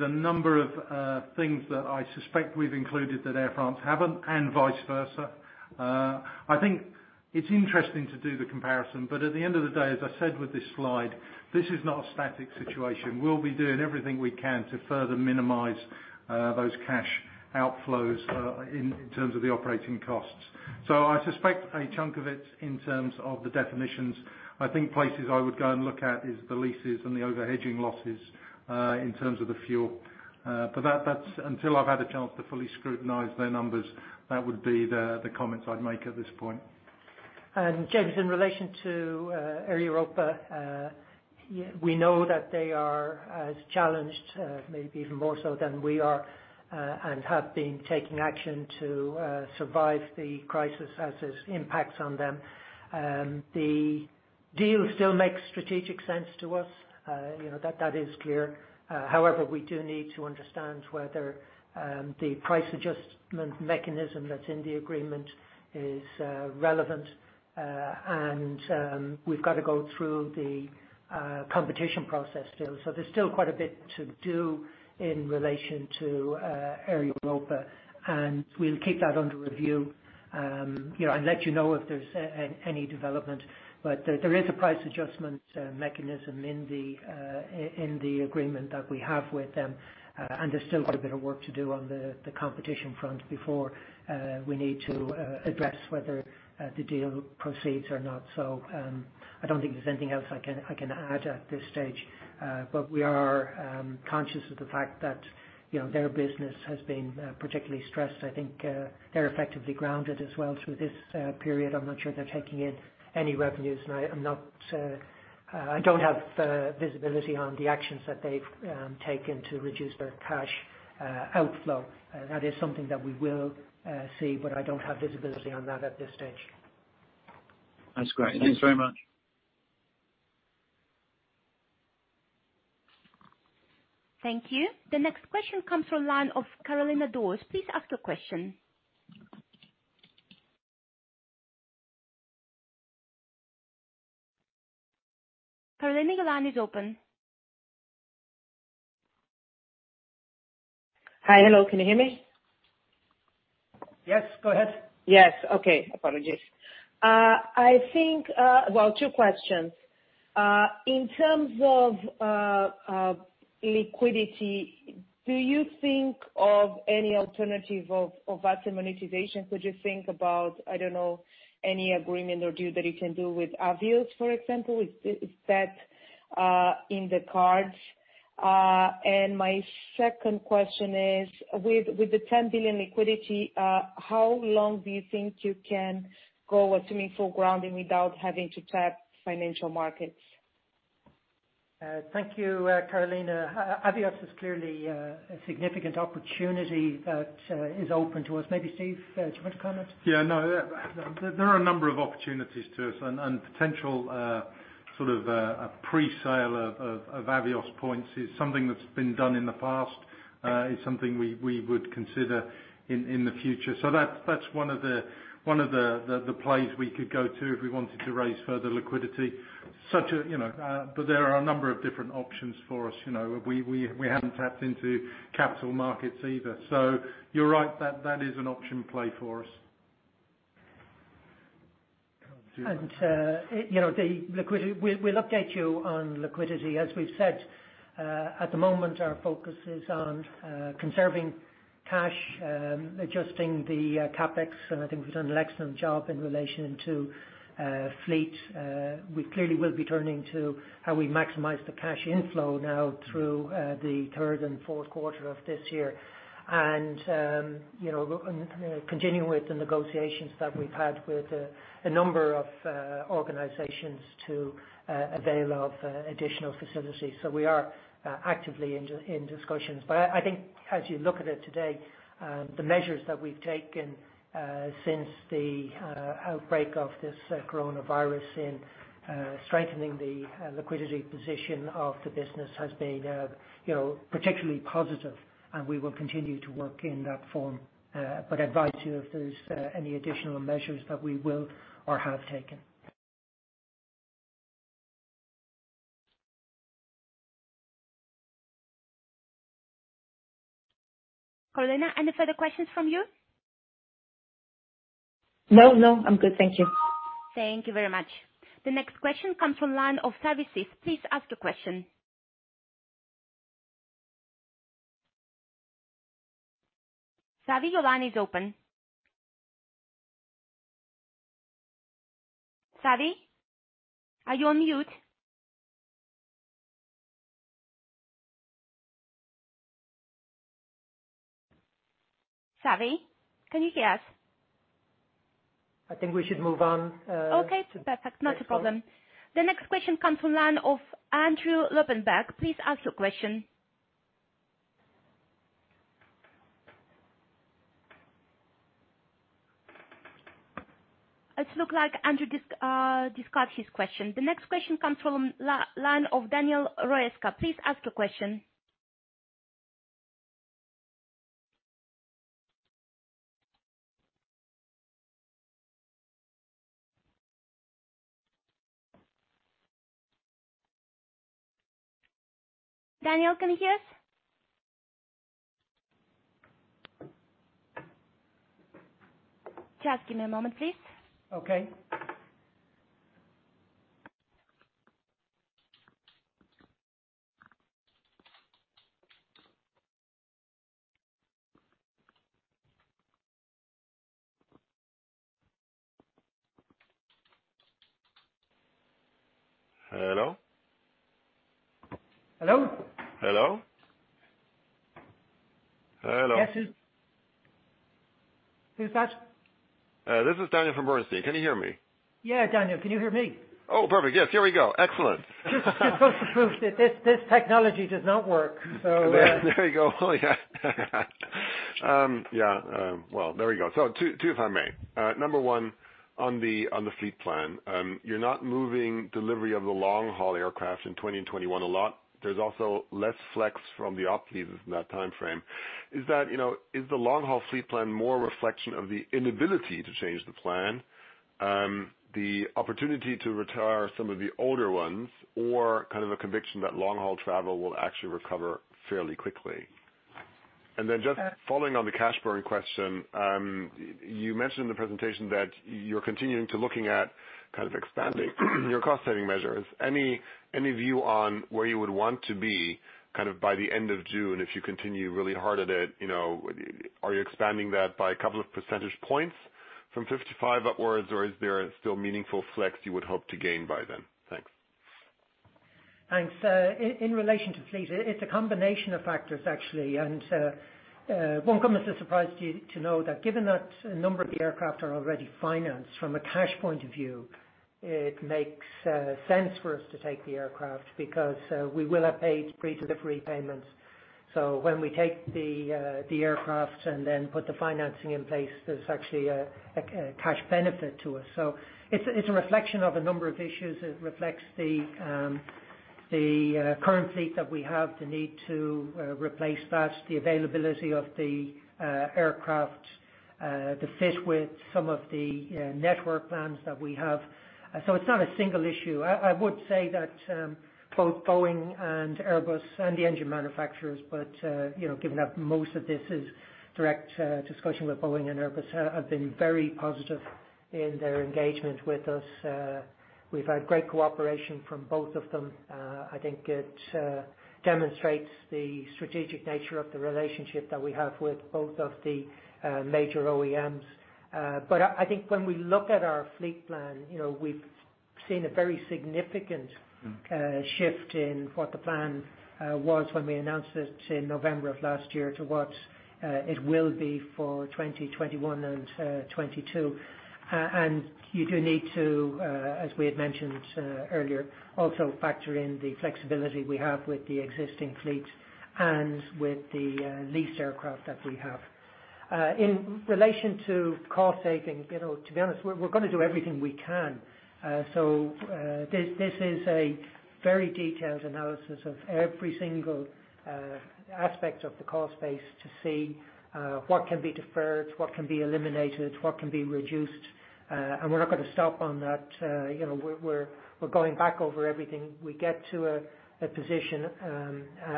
a number of things that I suspect we've included that Air France haven't, and vice versa. I think it's interesting to do the comparison, but at the end of the day, as I said with this slide, this is not a static situation. We'll be doing everything we can to further minimize those cash outflows in terms of the operating costs. I suspect a chunk of it in terms of the definitions. I think places I would go and look at is the leases and the over-hedging losses, in terms of the fuel. Until I've had a chance to fully scrutinize their numbers, that would be the comments I'd make at this point. James, in relation to Air Europa, we know that they are as challenged, maybe even more so than we are, and have been taking action to survive the crisis as it impacts on them. The deal still makes strategic sense to us. That is clear. However, we do need to understand whether the price adjustment mechanism that's in the agreement is relevant. We've got to go through the competition process still. There's still quite a bit to do in relation to Air Europa, and we'll keep that under review, and let you know if there's any development. There is a price adjustment mechanism in the agreement that we have with them, and there's still quite a bit of work to do on the competition front before we need to address whether the deal proceeds or not. I don't think there's anything else I can add at this stage. We are conscious of the fact that their business has been particularly stressed. I think they're effectively grounded as well through this period. I'm not sure they're taking in any revenues, and I don't have visibility on the actions that they've taken to reduce their cash outflow. That is something that we will see, but I don't have visibility on that at this stage. That's great. Thanks very much. Thank you. The next question comes from line of Carolina Dawes. Please ask your question. Carolina, your line is open. Hi. Hello, can you hear me? Yes, go ahead. Yes. Okay. Apologies. Well, two questions. In terms of liquidity, do you think of any alternative of asset monetization? Could you think about, I don't know, any agreement or deal that you can do with Avios, for example? Is that in the cards? My second question is, with the 10 billion liquidity, how long do you think you can go assuming full grounding without having to tap financial markets? Thank you, Carolina. Avios is clearly a significant opportunity that is open to us. Maybe Steve, do you want to comment? Yeah. There are a number of opportunities to us and potential, sort of a pre-sale of Avios points is something that's been done in the past. It's something we would consider in the future. That's one of the plays we could go to if we wanted to raise further liquidity. There are a number of different options for us. We haven't tapped into capital markets either. You're right, that is an option play for us. We'll update you on liquidity. As we've said, at the moment, our focus is on conserving cash, adjusting the CapEx, and I think we've done an excellent job in relation to fleet. We clearly will be turning to how we maximize the cash inflow now through the third and fourth quarter of this year. Continuing with the negotiations that we've had with a number of organizations to avail of additional facilities. We are actively in discussions. I think as you look at it today, the measures that we've taken since the outbreak of this coronavirus in strengthening the liquidity position of the business has been particularly positive, and we will continue to work in that form. Advise you if there's any additional measures that we will or have taken. Carolina, any further questions from you? No, I'm good. Thank you. Thank you very much. The next question comes from line of Xavi Sees. Please ask your question. Xavi, your line is open. Xavi? Are you on mute? Xavi, can you hear us? I think we should move on. Okay, perfect. Not a problem. The next question comes from line of Andrew Lobbenberg. Please ask your question. It looks like Andrew discarded his question. The next question comes from line of Daniel Roeska. Please ask your question. Daniel, can you hear us? Just give me a moment, please. Okay. Hello? Hello? Hello. Yes. Who's that? This is Daniel from Bernstein. Can you hear me? Yeah, Daniel, can you hear me? Oh, perfect. Yes, here we go. Excellent. Just goes to prove that this technology does not work. There you go. Well, there we go. Two if I may. Number one, on the fleet plan. You're not moving delivery of the long-haul aircraft in 2021 a lot. There's also less flex from the ops leases in that timeframe. Is the long-haul fleet plan more a reflection of the inability to change the plan, the opportunity to retire some of the older ones, or kind of a conviction that long-haul travel will actually recover fairly quickly? Then just following on the cash burn question, you mentioned in the presentation that you're continuing to looking at kind of expanding your cost saving measures. Any view on where you would want to be by the end of June if you continue really hard at it? Are you expanding that by a couple of percentage points from 55 upwards, or is there still meaningful flex you would hope to gain by then? Thanks. Thanks. In relation to fleet, it's a combination of factors, actually. It won't come as a surprise to you to know that given that a number of the aircraft are already financed from a cash point of view, it makes sense for us to take the aircraft because we will have paid pre-delivery payments. When we take the aircraft and then put the financing in place, there's actually a cash benefit to us. It's a reflection of a number of issues. It reflects the current fleet that we have, the need to replace that, the availability of the aircraft to fit with some of the network plans that we have. It's not a single issue. I would say that both Boeing and Airbus and the engine manufacturers, but given that most of this is direct discussion with Boeing and Airbus, have been very positive in their engagement with us. We've had great cooperation from both of them. I think it demonstrates the strategic nature of the relationship that we have with both of the major OEMs. I think when we look at our fleet plan, we've seen a very significant shift in what the plan was when we announced it in November of last year to what it will be for 2021 and 2022. You do need to, as we had mentioned earlier, also factor in the flexibility we have with the existing fleet and with the leased aircraft that we have. In relation to cost saving, to be honest, we're going to do everything we can. This is a very detailed analysis of every single aspect of the cost base to see what can be deferred, what can be eliminated, what can be reduced. We're not going to stop on that. We're going back over everything. We get to a position,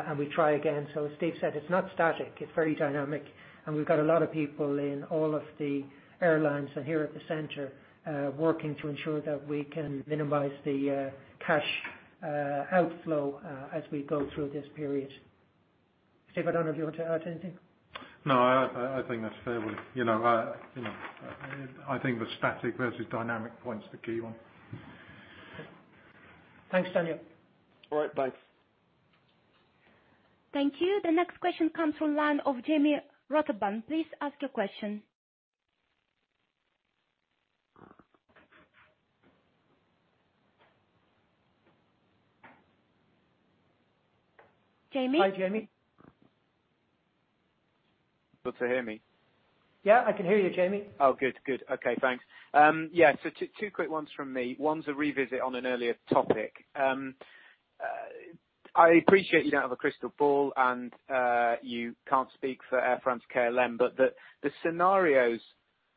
and we try again. As Steve said, it's not static, it's very dynamic, and we've got a lot of people in all of the airlines and here at the center, working to ensure that we can minimize the cash outflow as we go through this period. Steve, I don't know if you want to add anything. No, I think that's fair. I think the static versus dynamic point is the key one. Thanks, Daniel. All right. Bye. Thank you. The next question comes from the line of Jamie Rowbotham. Please ask your question. Jamie? Hi, Jamie. Can you hear me? Yeah, I can hear you, Jamie. Good. Okay, thanks. Two quick ones from me. One's a revisit on an earlier topic. I appreciate you don't have a crystal ball and you can't speak for Air France-KLM, but the scenarios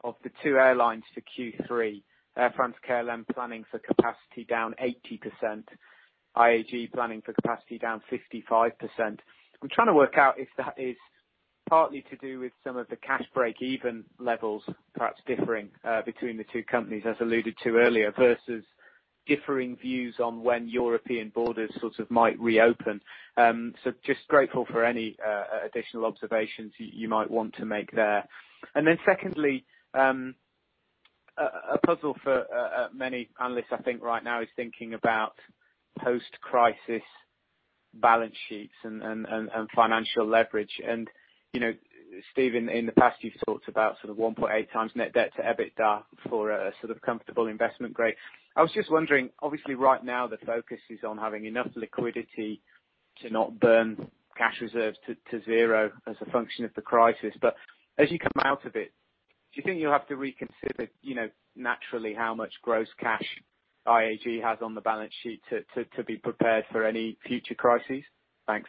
of the two airlines for Q3, Air France-KLM planning for capacity down 80%, IAG planning for capacity down 55%. I'm trying to work out if that is partly to do with some of the cash break-even levels, perhaps differing between the two companies as alluded to earlier, versus differing views on when European borders sort of might reopen. Just grateful for any additional observations you might want to make there. Secondly, a puzzle for many analysts, I think right now is thinking about post-crisis balance sheets and financial leverage. Steven, in the past, you've talked about sort of 1.8 times net debt to EBITDA for a sort of comfortable investment grade. I was just wondering, obviously right now the focus is on having enough liquidity to not burn cash reserves to zero as a function of the crisis. As you come out of it, do you think you'll have to reconsider naturally how much gross cash IAG has on the balance sheet to be prepared for any future crises? Thanks. Thanks.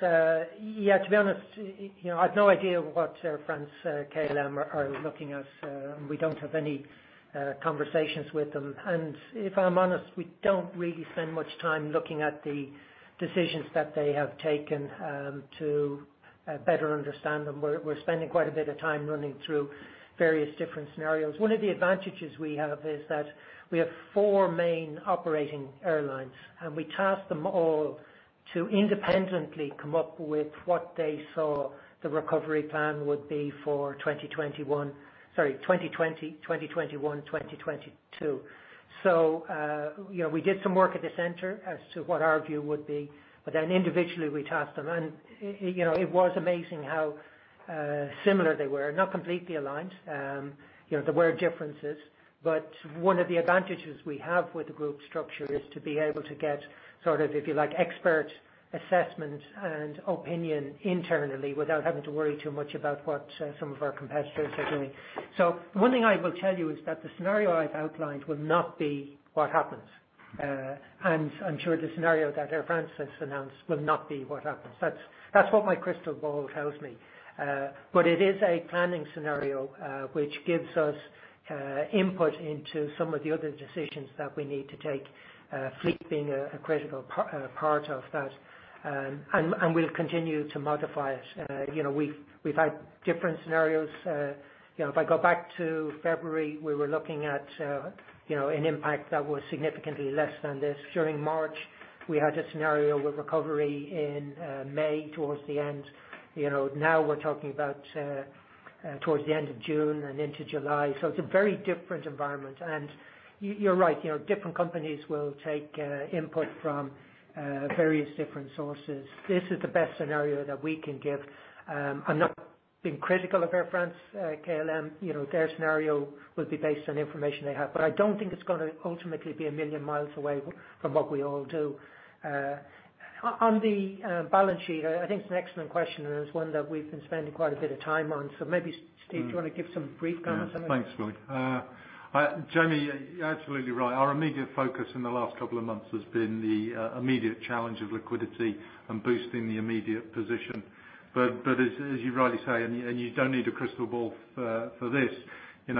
To be honest, I've no idea what Air France-KLM are looking at. We don't have any conversations with them. If I'm honest, we don't really spend much time looking at the decisions that they have taken to better understand them. We're spending quite a bit of time running through various different scenarios. One of the advantages we have is that we have four main operating airlines, and we tasked them all to independently come up with what they saw the recovery plan would be for 2021. Sorry, 2020, 2021, 2022. We did some work at the center as to what our view would be, but then individually, we tasked them. It was amazing how similar they were. Not completely aligned. There were differences, but one of the advantages we have with the group structure is to be able to get sort of, if you like, expert assessment and opinion internally without having to worry too much about what some of our competitors are doing. One thing I will tell you is that the scenario I've outlined will not be what happens. I'm sure the scenario that Air France has announced will not be what happens. That's what my crystal ball tells me. It is a planning scenario, which gives us input into some of the other decisions that we need to take, fleet being a critical part of that. We'll continue to modify it. We've had different scenarios. If I go back to February, we were looking at an impact that was significantly less than this. During March, we had a scenario with recovery in May, towards the end. Now we're talking about towards the end of June and into July. It's a very different environment. You're right. Different companies will take input from various different sources. This is the best scenario that we can give. I'm not being critical of Air France-KLM. Their scenario will be based on the information they have. I don't think it's going to ultimately be a million miles away from what we all do. On the balance sheet, I think it's an excellent question, and it's one that we've been spending quite a bit of time on. Maybe, Steve, do you want to give some brief comments on that? Thanks, Willie. Jamie, you're absolutely right. Our immediate focus in the last couple of months has been the immediate challenge of liquidity and boosting the immediate position. As you rightly say, and you don't need a crystal ball for this. The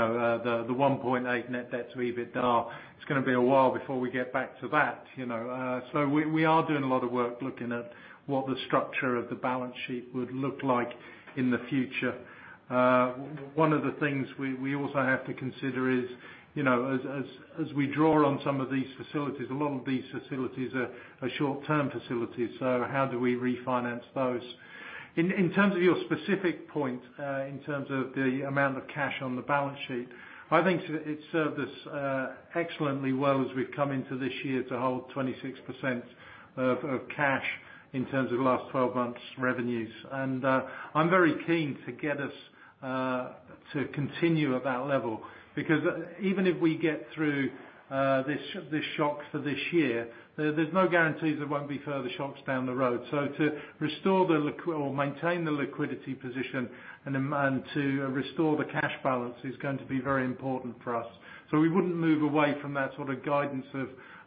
1.8 net debt to EBITDA, it's going to be a while before we get back to that. We are doing a lot of work looking at what the structure of the balance sheet would look like in the future. One of the things we also have to consider is, as we draw on some of these facilities, a lot of these facilities are short-term facilities, so how do we refinance those? In terms of your specific point, in terms of the amount of cash on the balance sheet, I think it's served us excellently well as we've come into this year to hold 26% of cash in terms of last 12 months revenues. I'm very keen to get us to continue at that level because even if we get through this shock for this year, there's no guarantees there won't be further shocks down the road. To maintain the liquidity position and to restore the cash balance is going to be very important for us. We wouldn't move away from that sort of guidance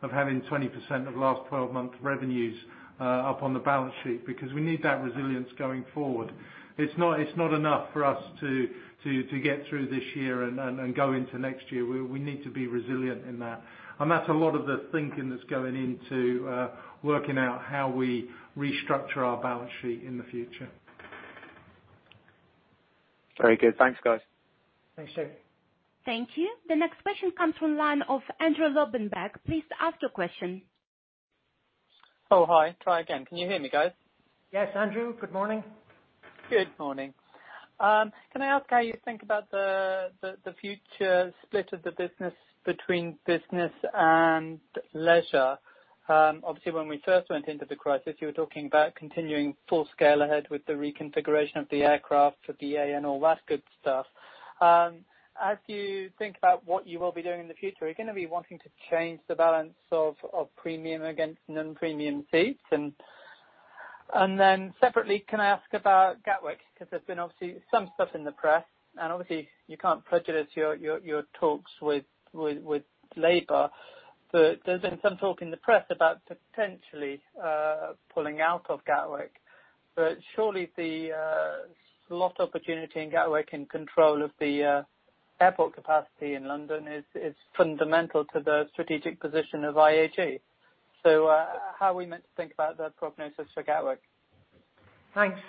of having 20% of last 12 months revenues up on the balance sheet because we need that resilience going forward. It's not enough for us to get through this year and go into next year. We need to be resilient in that. That's a lot of the thinking that's going into working out how we restructure our balance sheet in the future. Very good. Thanks, guys. Thanks, Jamie. Thank you. The next question comes from line of Andrew Lobbenberg. Please ask your question. Hi. Try again. Can you hear me, guys? Yes, Andrew. Good morning. Good morning. Can I ask how you think about the future split of the business between business and leisure? Obviously, when we first went into the crisis, you were talking about continuing full scale ahead with the reconfiguration of the aircraft for BA and all that good stuff. As you think about what you will be doing in the future, are you going to be wanting to change the balance of premium against non-premium seats? Separately, can I ask about Gatwick? Because there's been obviously some stuff in the press, and obviously you can't prejudice your talks with labor. There's been some talk in the press about potentially pulling out of Gatwick. Surely the slot opportunity in Gatwick and control of the airport capacity in London is fundamental to the strategic position of IAG. How are we meant to think about the prognosis for Gatwick? Thanks,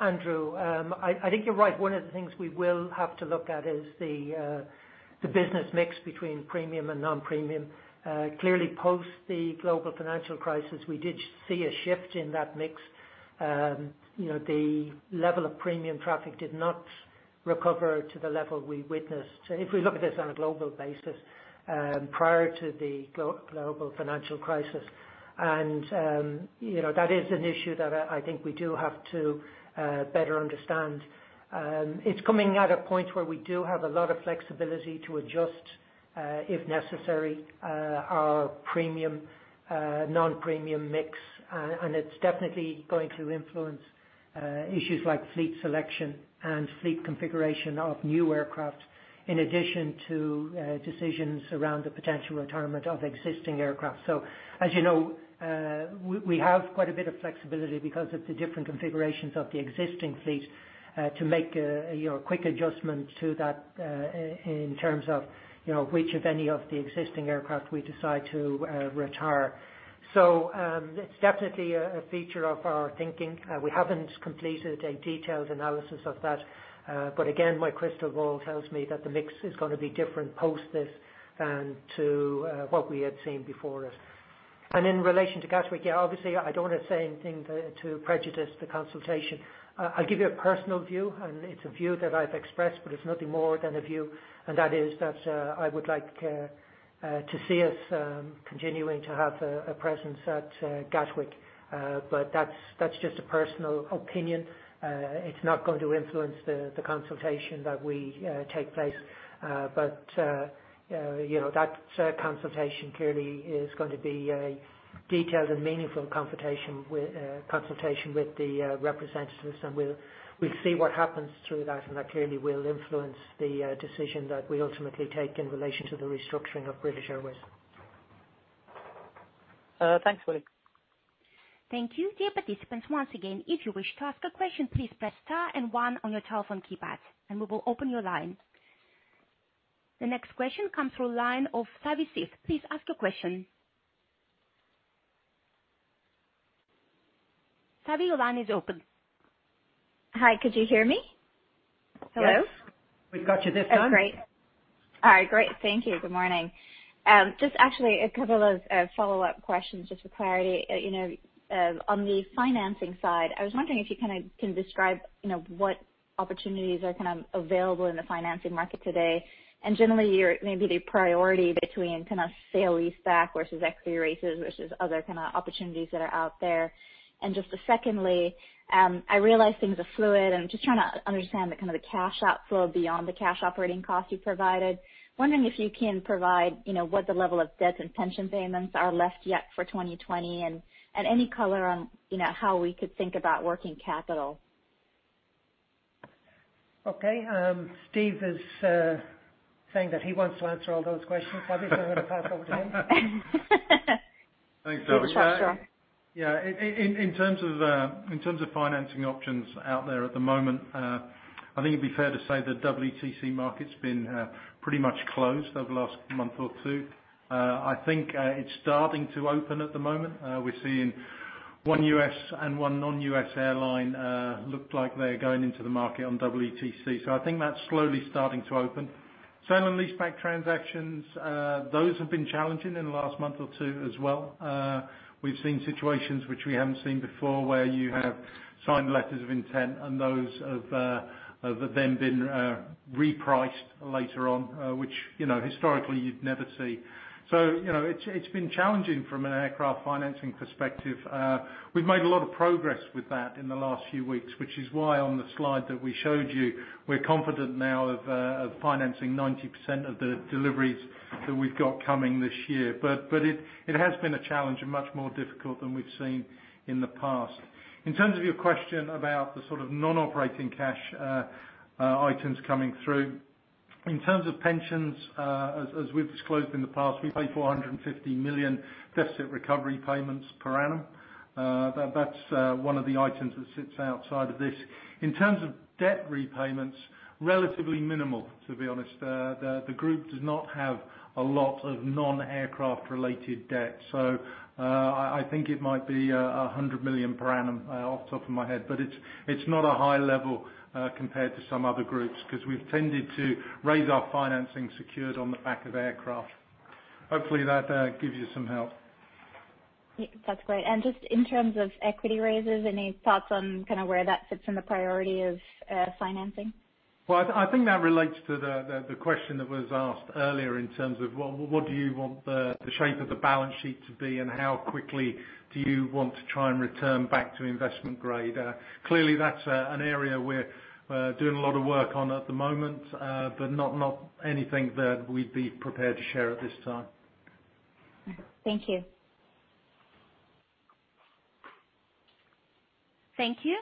Andrew. I think you're right. One of the things we will have to look at is the business mix between premium and non-premium. Clearly post the global financial crisis, we did see a shift in that mix. The level of premium traffic did not recover to the level we witnessed, if we look at this on a global basis, prior to the global financial crisis. That is an issue that I think we do have to better understand. It's coming at a point where we do have a lot of flexibility to adjust if necessary, our premium, non-premium mix. It's definitely going to influence issues like fleet selection and fleet configuration of new aircraft, in addition to decisions around the potential retirement of existing aircraft. As you know, we have quite a bit of flexibility because of the different configurations of the existing fleet to make a quick adjustment to that in terms of which of any of the existing aircraft we decide to retire. It's definitely a feature of our thinking. We haven't completed a detailed analysis of that. Again, my crystal ball tells me that the mix is going to be different post this to what we had seen before us. In relation to Gatwick, yeah, obviously I don't want to say anything to prejudice the consultation. I'll give you a personal view, and it's a view that I've expressed, but it's nothing more than a view, and that is that I would like to see us continuing to have a presence at Gatwick. That's just a personal opinion. It's not going to influence the consultation that we take place. That consultation clearly is going to be a detailed and meaningful consultation with the representatives, and we'll see what happens through that. That clearly will influence the decision that we ultimately take in relation to the restructuring of British Airways. Thanks, Willie. Thank you. Dear participants, once again, if you wish to ask a question, please press star and one on your telephone keypad, and we will open your line. The next question comes through line of Tabith Siff. Please ask your question. Tabith, your line is open. Hi, could you hear me? Hello? Yes. We've got you this time. Oh, great. All right, great. Thank you. Good morning. Just actually a couple of follow-up questions just for clarity. On the financing side, I was wondering if you can describe what opportunities are available in the financing market today, and generally maybe the priority between sale leaseback versus equity raises versus other opportunities that are out there. Just secondly, I realize things are fluid and I'm just trying to understand the cash outflow beyond the cash operating cost you provided. Wondering if you can provide what the level of debts and pension payments are left yet for 2020 and any color on how we could think about working capital. Okay. Steve is saying that he wants to answer all those questions. I think I'm going to pass over to him. Thanks, Tabith. Sure. In terms of financing options out there at the moment, I think it'd be fair to say the EETC market's been pretty much closed over the last month or two. I think it's starting to open at the moment. We're seeing one U.S. and one non-U.S. airline, looked like they're going into the market on EETC. I think that's slowly starting to open. Sale and lease-back transactions, those have been challenging in the last month or two as well. We've seen situations which we haven't seen before, where you have signed letters of intent and those have then been repriced later on, which historically you'd never see. It's been challenging from an aircraft financing perspective. We've made a lot of progress with that in the last few weeks, which is why on the slide that we showed you, we're confident now of financing 90% of the deliveries that we've got coming this year. It has been a challenge and much more difficult than we've seen in the past. In terms of your question about the non-operating cash items coming through. In terms of pensions, as we've disclosed in the past, we pay 450 million deficit recovery payments per annum. That's one of the items that sits outside of this. In terms of debt repayments, relatively minimal, to be honest. The group does not have a lot of non-aircraft related debt. I think it might be 100 million per annum, off the top of my head, but it's not a high level, compared to some other groups, because we've tended to raise our financing secured on the back of aircraft. Hopefully, that gives you some help. That's great. Just in terms of equity raises, any thoughts on where that sits in the priority of financing? Well, I think that relates to the question that was asked earlier in terms of what do you want the shape of the balance sheet to be, and how quickly do you want to try and return back to investment grade? Clearly, that's an area we're doing a lot of work on at the moment, but not anything that we'd be prepared to share at this time. Thank you. Thank you.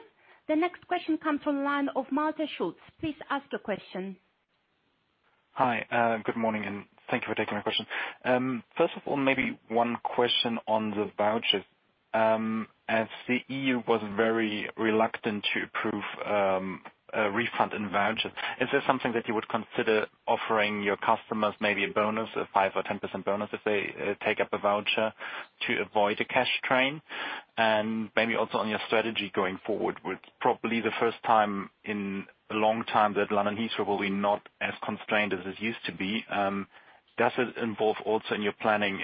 The next question comes from line of Marta Schultz. Please ask your question. Hi. Good morning, and thank you for taking my question. First of all, maybe one question on the vouchers. As the EU was very reluctant to approve a refund in vouchers, is this something that you would consider offering your customers maybe a bonus, a 5% or 10% bonus if they take up a voucher to avoid a cash drain? Maybe also on your strategy going forward, with probably the first time in a long time that London Heathrow will be not as constrained as it used to be. Does it involve also in your planning,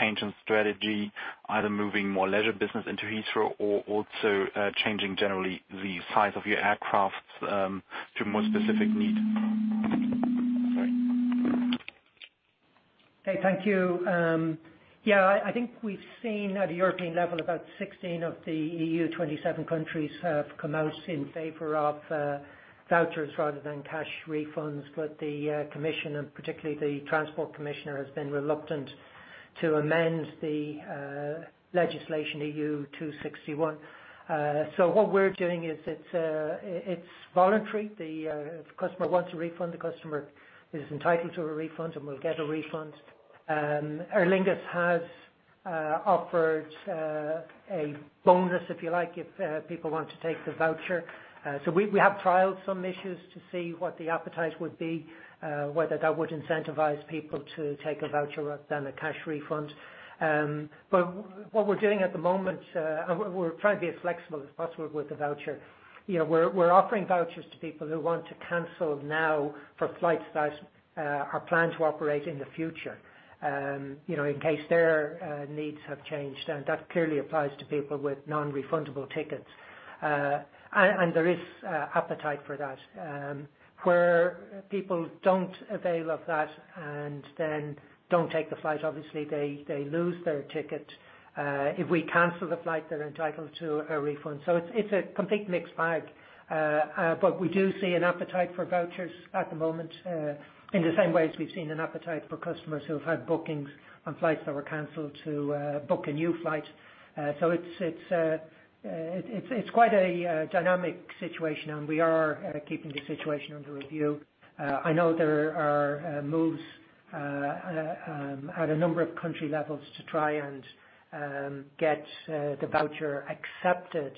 change in strategy, either moving more leisure business into Heathrow or also, changing generally the size of your aircraft to more specific need? Sorry. Okay, thank you. I think we've seen at a European level, about 16 of the EU, 27 countries have come out in favor of vouchers rather than cash refunds. The commission, and particularly the transport commissioner, has been reluctant to amend the legislation EU 261. What we're doing is it's voluntary. If the customer wants a refund, the customer is entitled to a refund and will get a refund. Aer Lingus has offered a bonus, if you like, if people want to take the voucher. We have trialed some issues to see what the appetite would be, whether that would incentivize people to take a voucher rather than a cash refund. What we're doing at the moment, we're trying to be as flexible as possible with the voucher. We're offering vouchers to people who want to cancel now for flights that are planned to operate in the future, in case their needs have changed. That clearly applies to people with non-refundable tickets. There is appetite for that. Where people don't avail of that and then don't take the flight, obviously, they lose their ticket. If we cancel the flight, they're entitled to a refund. It's a complete mixed bag. We do see an appetite for vouchers at the moment, in the same way as we've seen an appetite for customers who've had bookings on flights that were canceled to book a new flight. It's quite a dynamic situation, and we are keeping the situation under review. I know there are moves at a number of country levels to try and get the voucher accepted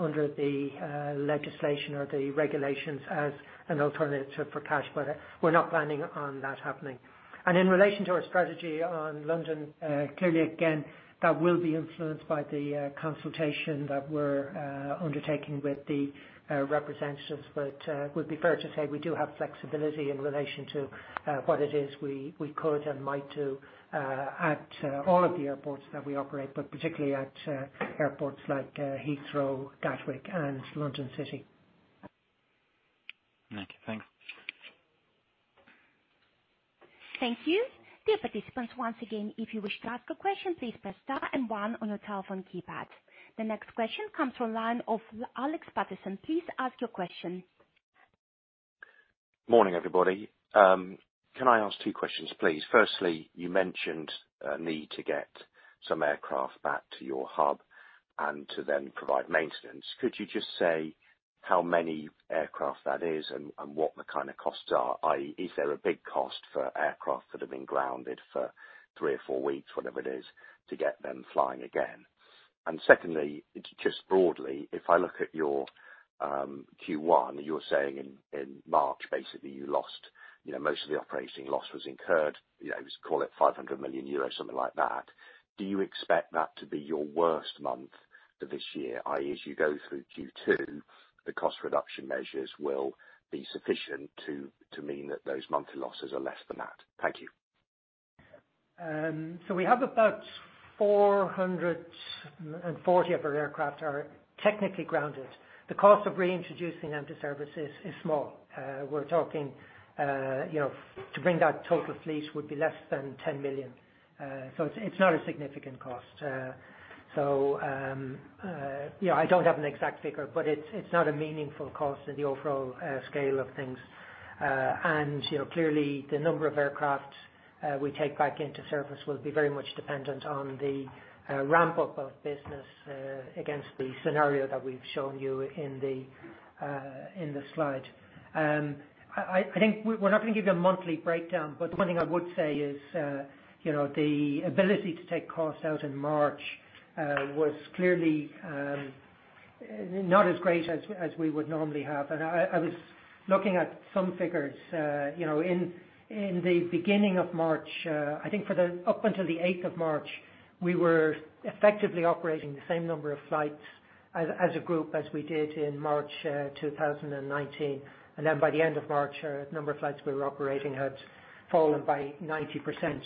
under the legislation or the regulations as an alternative for cash, but we're not planning on that happening. In relation to our strategy on London, clearly, again, that will be influenced by the consultation that we're undertaking with the representatives. It would be fair to say we do have flexibility in relation to what it is we could and might do at all of the airports that we operate, particularly at airports like Heathrow, Gatwick, and London City. Okay. Thanks. Thank you. Dear participants, once again, if you wish to ask a question, please press star and one on your telephone keypad. The next question comes from line of Alex Paterson. Please ask your question. Morning, everybody. Can I ask two questions, please? Firstly, you mentioned a need to get some aircraft back to your hub and to then provide maintenance. Could you just say how many aircraft that is and what the costs are, i.e., is there a big cost for aircraft that have been grounded for three or four weeks, whatever it is, to get them flying again? Secondly, just broadly, if I look at your Q1, you're saying in March, basically, most of the operating loss was incurred, call it 500 million euros, something like that. Do you expect that to be your worst month for this year, i.e., as you go through Q2, the cost reduction measures will be sufficient to mean that those monthly losses are less than that? Thank you. We have about 440 of our aircraft are technically grounded. The cost of reintroducing them to service is small. We're talking to bring that total fleet would be less than 10 million. It's not a significant cost. I don't have an exact figure, but it's not a meaningful cost in the overall scale of things. Clearly, the number of aircraft we take back into service will be very much dependent on the ramp-up of business against the scenario that we've shown you in the slide. I think we're not going to give you a monthly breakdown, but one thing I would say is the ability to take costs out in March was clearly not as great as we would normally have. I was looking at some figures. In the beginning of March, I think up until the 8th of March, we were effectively operating the same number of flights as a group as we did in March 2019. By the end of March, our number of flights we were operating had fallen by 90%.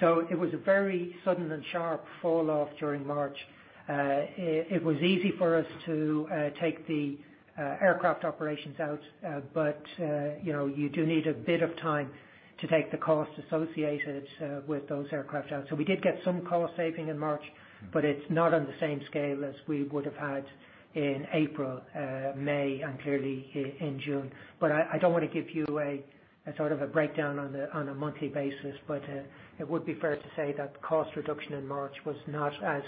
It was a very sudden and sharp fall-off during March. It was easy for us to take the aircraft operations out, you do need a bit of time to take the cost associated with those aircraft out. We did get some cost-saving in March, it's not on the same scale as we would have had in April, May, and clearly in June. I don't want to give you a breakdown on a monthly basis. It would be fair to say that cost reduction in March was not as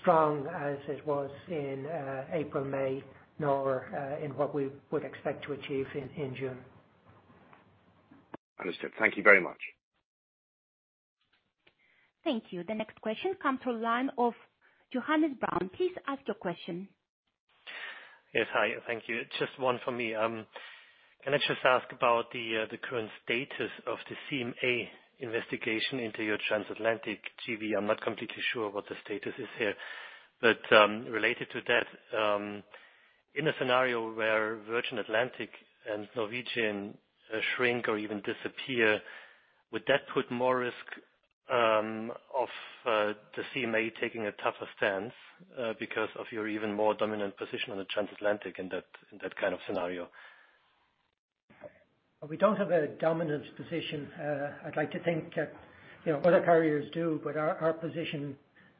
strong as it was in April, May, nor in what we would expect to achieve in June. Understood. Thank you very much. Thank you. The next question comes to line of Johannes Braun. Please ask your question. Yes, hi. Thank you. Just one from me. Can I just ask about the current status of the CMA investigation into your transatlantic JV? I'm not completely sure what the status is here. Related to that, in a scenario where Virgin Atlantic and Norwegian shrink or even disappear, would that put more risk of the CMA taking a tougher stance because of your even more dominant position on the transatlantic in that kind of scenario? We don't have a dominant position. I'd like to think that other carriers do, but our position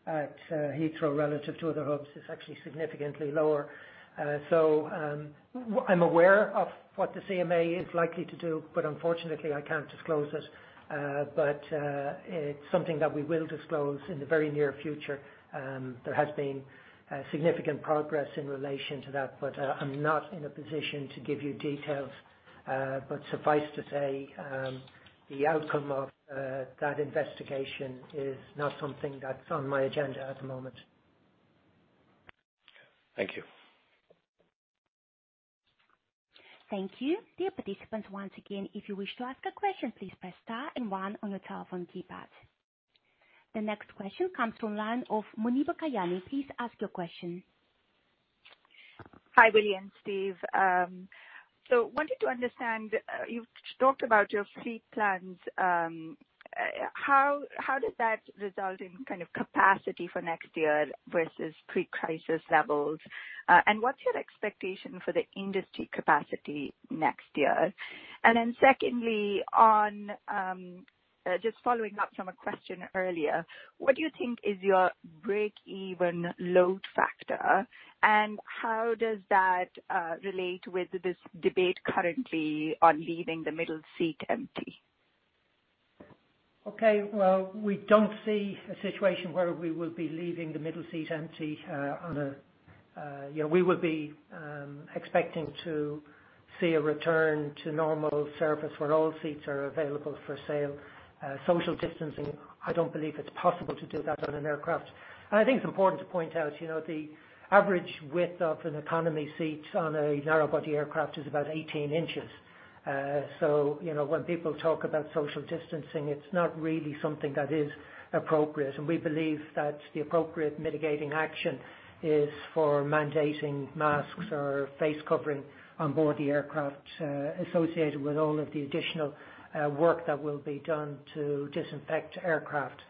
at Heathrow relative to other hubs is actually significantly lower. I'm aware of what the CMA is likely to do, but unfortunately, I can't disclose it. It's something that we will disclose in the very near future. There has been significant progress in relation to that, but I'm not in a position to give you details. Suffice to say, the outcome of that investigation is not something that's on my agenda at the moment. Thank you. Thank you. Dear participants, once again, if you wish to ask a question, please press star and one on your telephone keypad. The next question comes to line of Muneeba Kayani. Please ask your question. Hi, Willie and Steve. Wanted to understand, you talked about your fleet plans. How does that result in capacity for next year versus pre-crisis levels? What's your expectation for the industry capacity next year? Secondly, just following up from a question earlier, what do you think is your break-even load factor? How does that relate with this debate currently on leaving the middle seat empty? Okay. Well, we don't see a situation where we will be leaving the middle seat empty. We will be expecting to see a return to normal service where all seats are available for sale. Social distancing, I don't believe it's possible to do that on an aircraft. I think it's important to point out the average width of an economy seat on a narrow-body aircraft is about 18 inches. When people talk about social distancing, it's not really something that is appropriate. We believe that the appropriate mitigating action is for mandating masks or face covering on board the aircraft associated with all of the additional work that will be done to disinfect aircraft.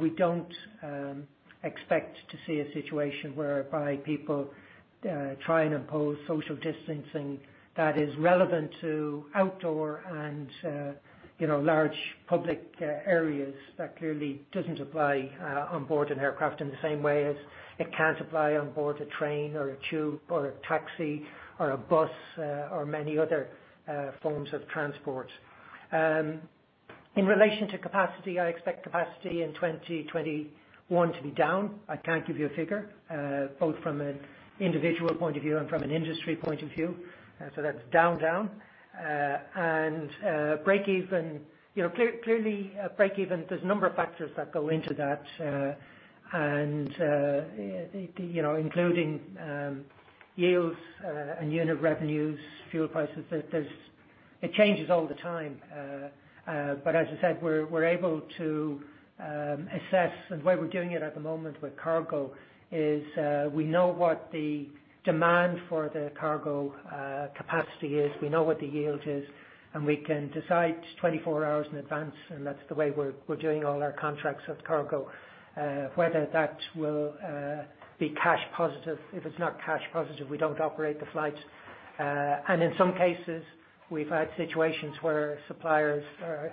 We don't expect to see a situation whereby people try and impose social distancing that is relevant to outdoor and large public areas. That clearly doesn't apply on board an aircraft in the same way as it can't apply on board a train or a tube or a taxi or a bus or many other forms of transport. In relation to capacity, I expect capacity in 2021 to be down. I can't give you a figure, both from an individual point of view and from an industry point of view. That's down. Clearly, break even, there's a number of factors that go into that, including yields and unit revenues, fuel prices. It changes all the time. As I said, we're able to assess, and the way we're doing it at the moment with cargo is, we know what the demand for the cargo capacity is, we know what the yield is, and we can decide 24 hours in advance, and that's the way we're doing all our contracts with cargo, whether that will be cash positive. If it's not cash positive, we don't operate the flights. In some cases, we've had situations where suppliers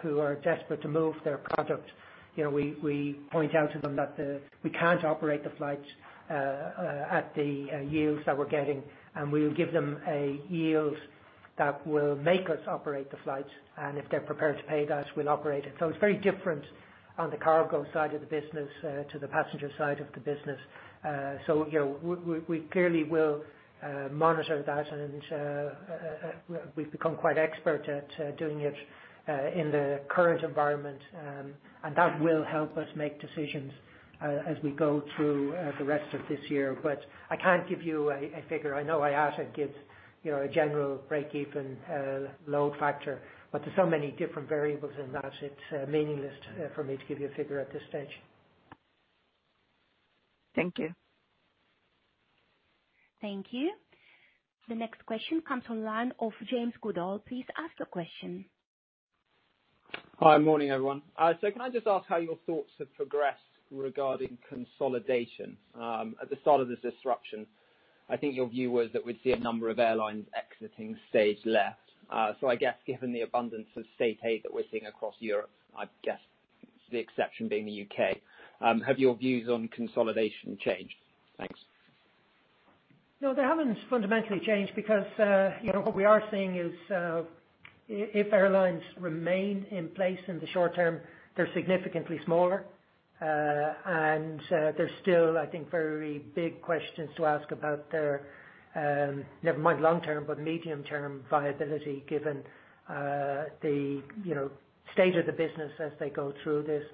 who are desperate to move their product, we point out to them that we can't operate the flights at the yields that we're getting, and we'll give them a yield that will make us operate the flights. If they're prepared to pay that, we'll operate it. It's very different on the cargo side of the business to the passenger side of the business. We clearly will monitor that, and we've become quite expert at doing it in the current environment. That will help us make decisions as we go through the rest of this year. I can't give you a figure. I know IATA gives a general break-even load factor. There's so many different variables in that, it's meaningless for me to give you a figure at this stage. Thank you. Thank you. The next question comes online of James Goodall. Please ask the question. Hi. Morning, everyone. Can I just ask how your thoughts have progressed regarding consolidation? At the start of this disruption, I think your view was that we'd see a number of airlines exiting stage left. I guess given the abundance of state aid that we're seeing across Europe, I guess the exception being the U.K., have your views on consolidation changed? Thanks. They haven't fundamentally changed because what we are seeing is, if airlines remain in place in the short term, they're significantly smaller. There's still, I think, very big questions to ask about their, never mind long-term, but medium-term viability given the state of the business as they go through this.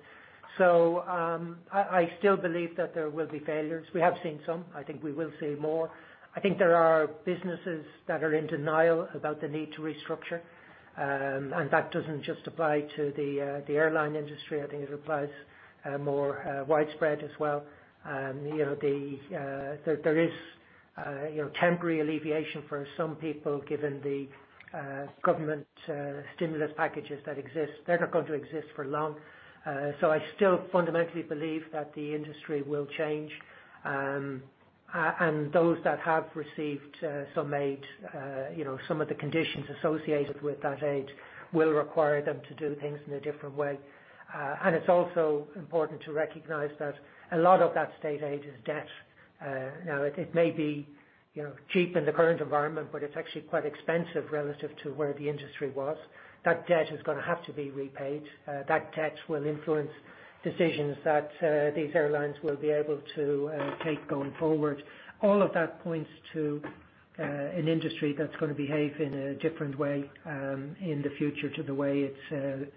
I still believe that there will be failures. We have seen some. I think we will see more. I think there are businesses that are in denial about the need to restructure. That doesn't just apply to the airline industry. I think it applies more widespread as well. There is temporary alleviation for some people given the government stimulus packages that exist. They're not going to exist for long. I still fundamentally believe that the industry will change. Those that have received some aid, some of the conditions associated with that aid will require them to do things in a different way. It's also important to recognize that a lot of that state aid is debt. Now, it may be cheap in the current environment, but it's actually quite expensive relative to where the industry was. That debt is going to have to be repaid. That debt will influence decisions that these airlines will be able to take going forward. All of that points to an industry that's going to behave in a different way in the future to the way it's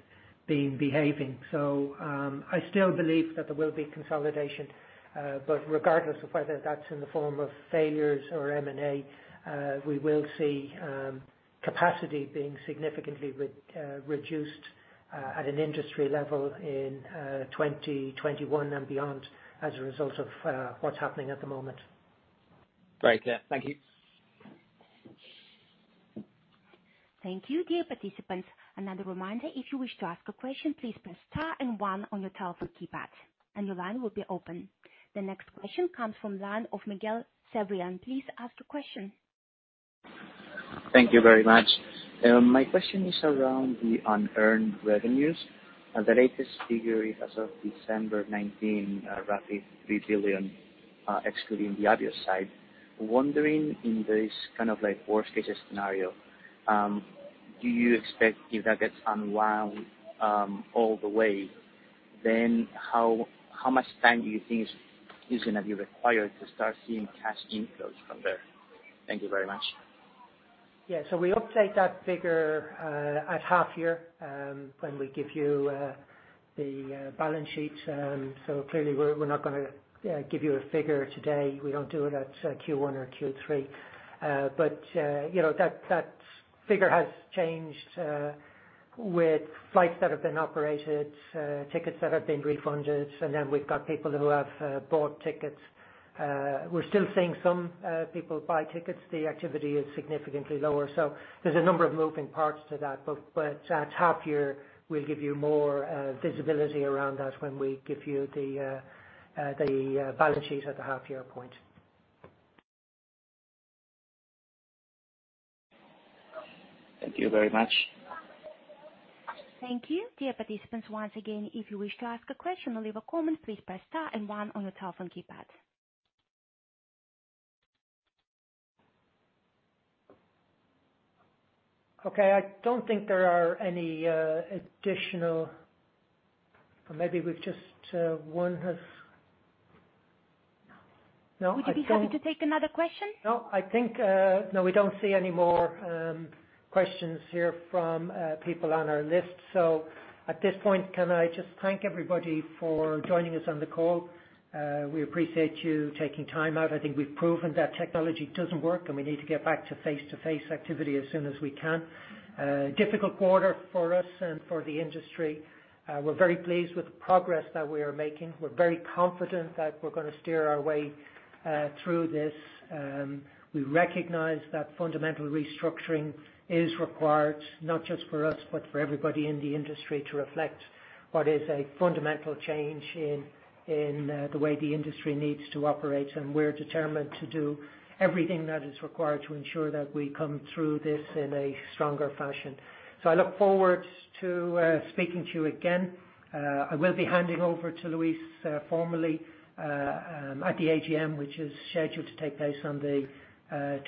been behaving. I still believe that there will be consolidation. Regardless of whether that's in the form of failures or M&A, we will see capacity being significantly reduced at an industry level in 2021 and beyond as a result of what's happening at the moment. Great. Yeah. Thank you. Thank you. Dear participants, another reminder, if you wish to ask a question, please press star and one on your telephone keypad, and the line will be open. The next question comes from the line of Miguel Sevriano. Please ask the question. Thank you very much. My question is around the unearned revenues. The latest figure as of December 19, roughly 3 billion, excluding the Avios side. Wondering in this kind of worst-case scenario, do you expect if that gets unwound all the way, then how much time do you think is going to be required to start seeing cash inflows from there? Thank you very much. Yeah. We update that figure at half year, when we give you the balance sheets. Clearly, we're not going to give you a figure today. We don't do it at Q1 or Q3. That figure has changed with flights that have been operated, tickets that have been refunded. We've got people who have bought tickets. We're still seeing some people buy tickets. The activity is significantly lower. There's a number of moving parts to that. At half year, we'll give you more visibility around that when we give you the balance sheet at the half-year point. Thank you very much. Thank you. Dear participants, once again, if you wish to ask a question or leave a comment, please press star and one on your telephone keypad. Okay. I don't think there are any additional, or maybe we've just, one has No. Would you be happy to take another question? No, we don't see any more questions here from people on our list. At this point, can I just thank everybody for joining us on the call. We appreciate you taking time out. I think we've proven that technology doesn't work, and we need to get back to face-to-face activity as soon as we can. A difficult quarter for us and for the industry. We're very pleased with the progress that we are making. We're very confident that we're going to steer our way through this. We recognize that fundamental restructuring is required, not just for us, but for everybody in the industry to reflect what is a fundamental change in the way the industry needs to operate. We're determined to do everything that is required to ensure that we come through this in a stronger fashion. I look forward to speaking to you again. I will be handing over to Luis formally at the AGM, which is scheduled to take place on the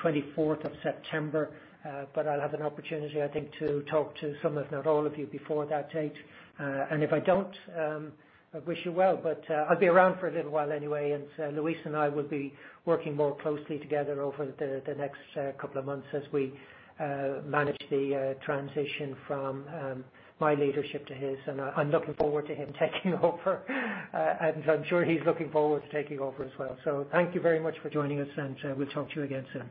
24th of September. I'll have an opportunity, I think, to talk to some, if not all of you, before that date. If I don't, I wish you well. I'll be around for a little while anyway, and Luis and I will be working more closely together over the next couple of months as we manage the transition from my leadership to his. I'm looking forward to him taking over. I'm sure he's looking forward to taking over as well. Thank you very much for joining us, and we'll talk to you again soon.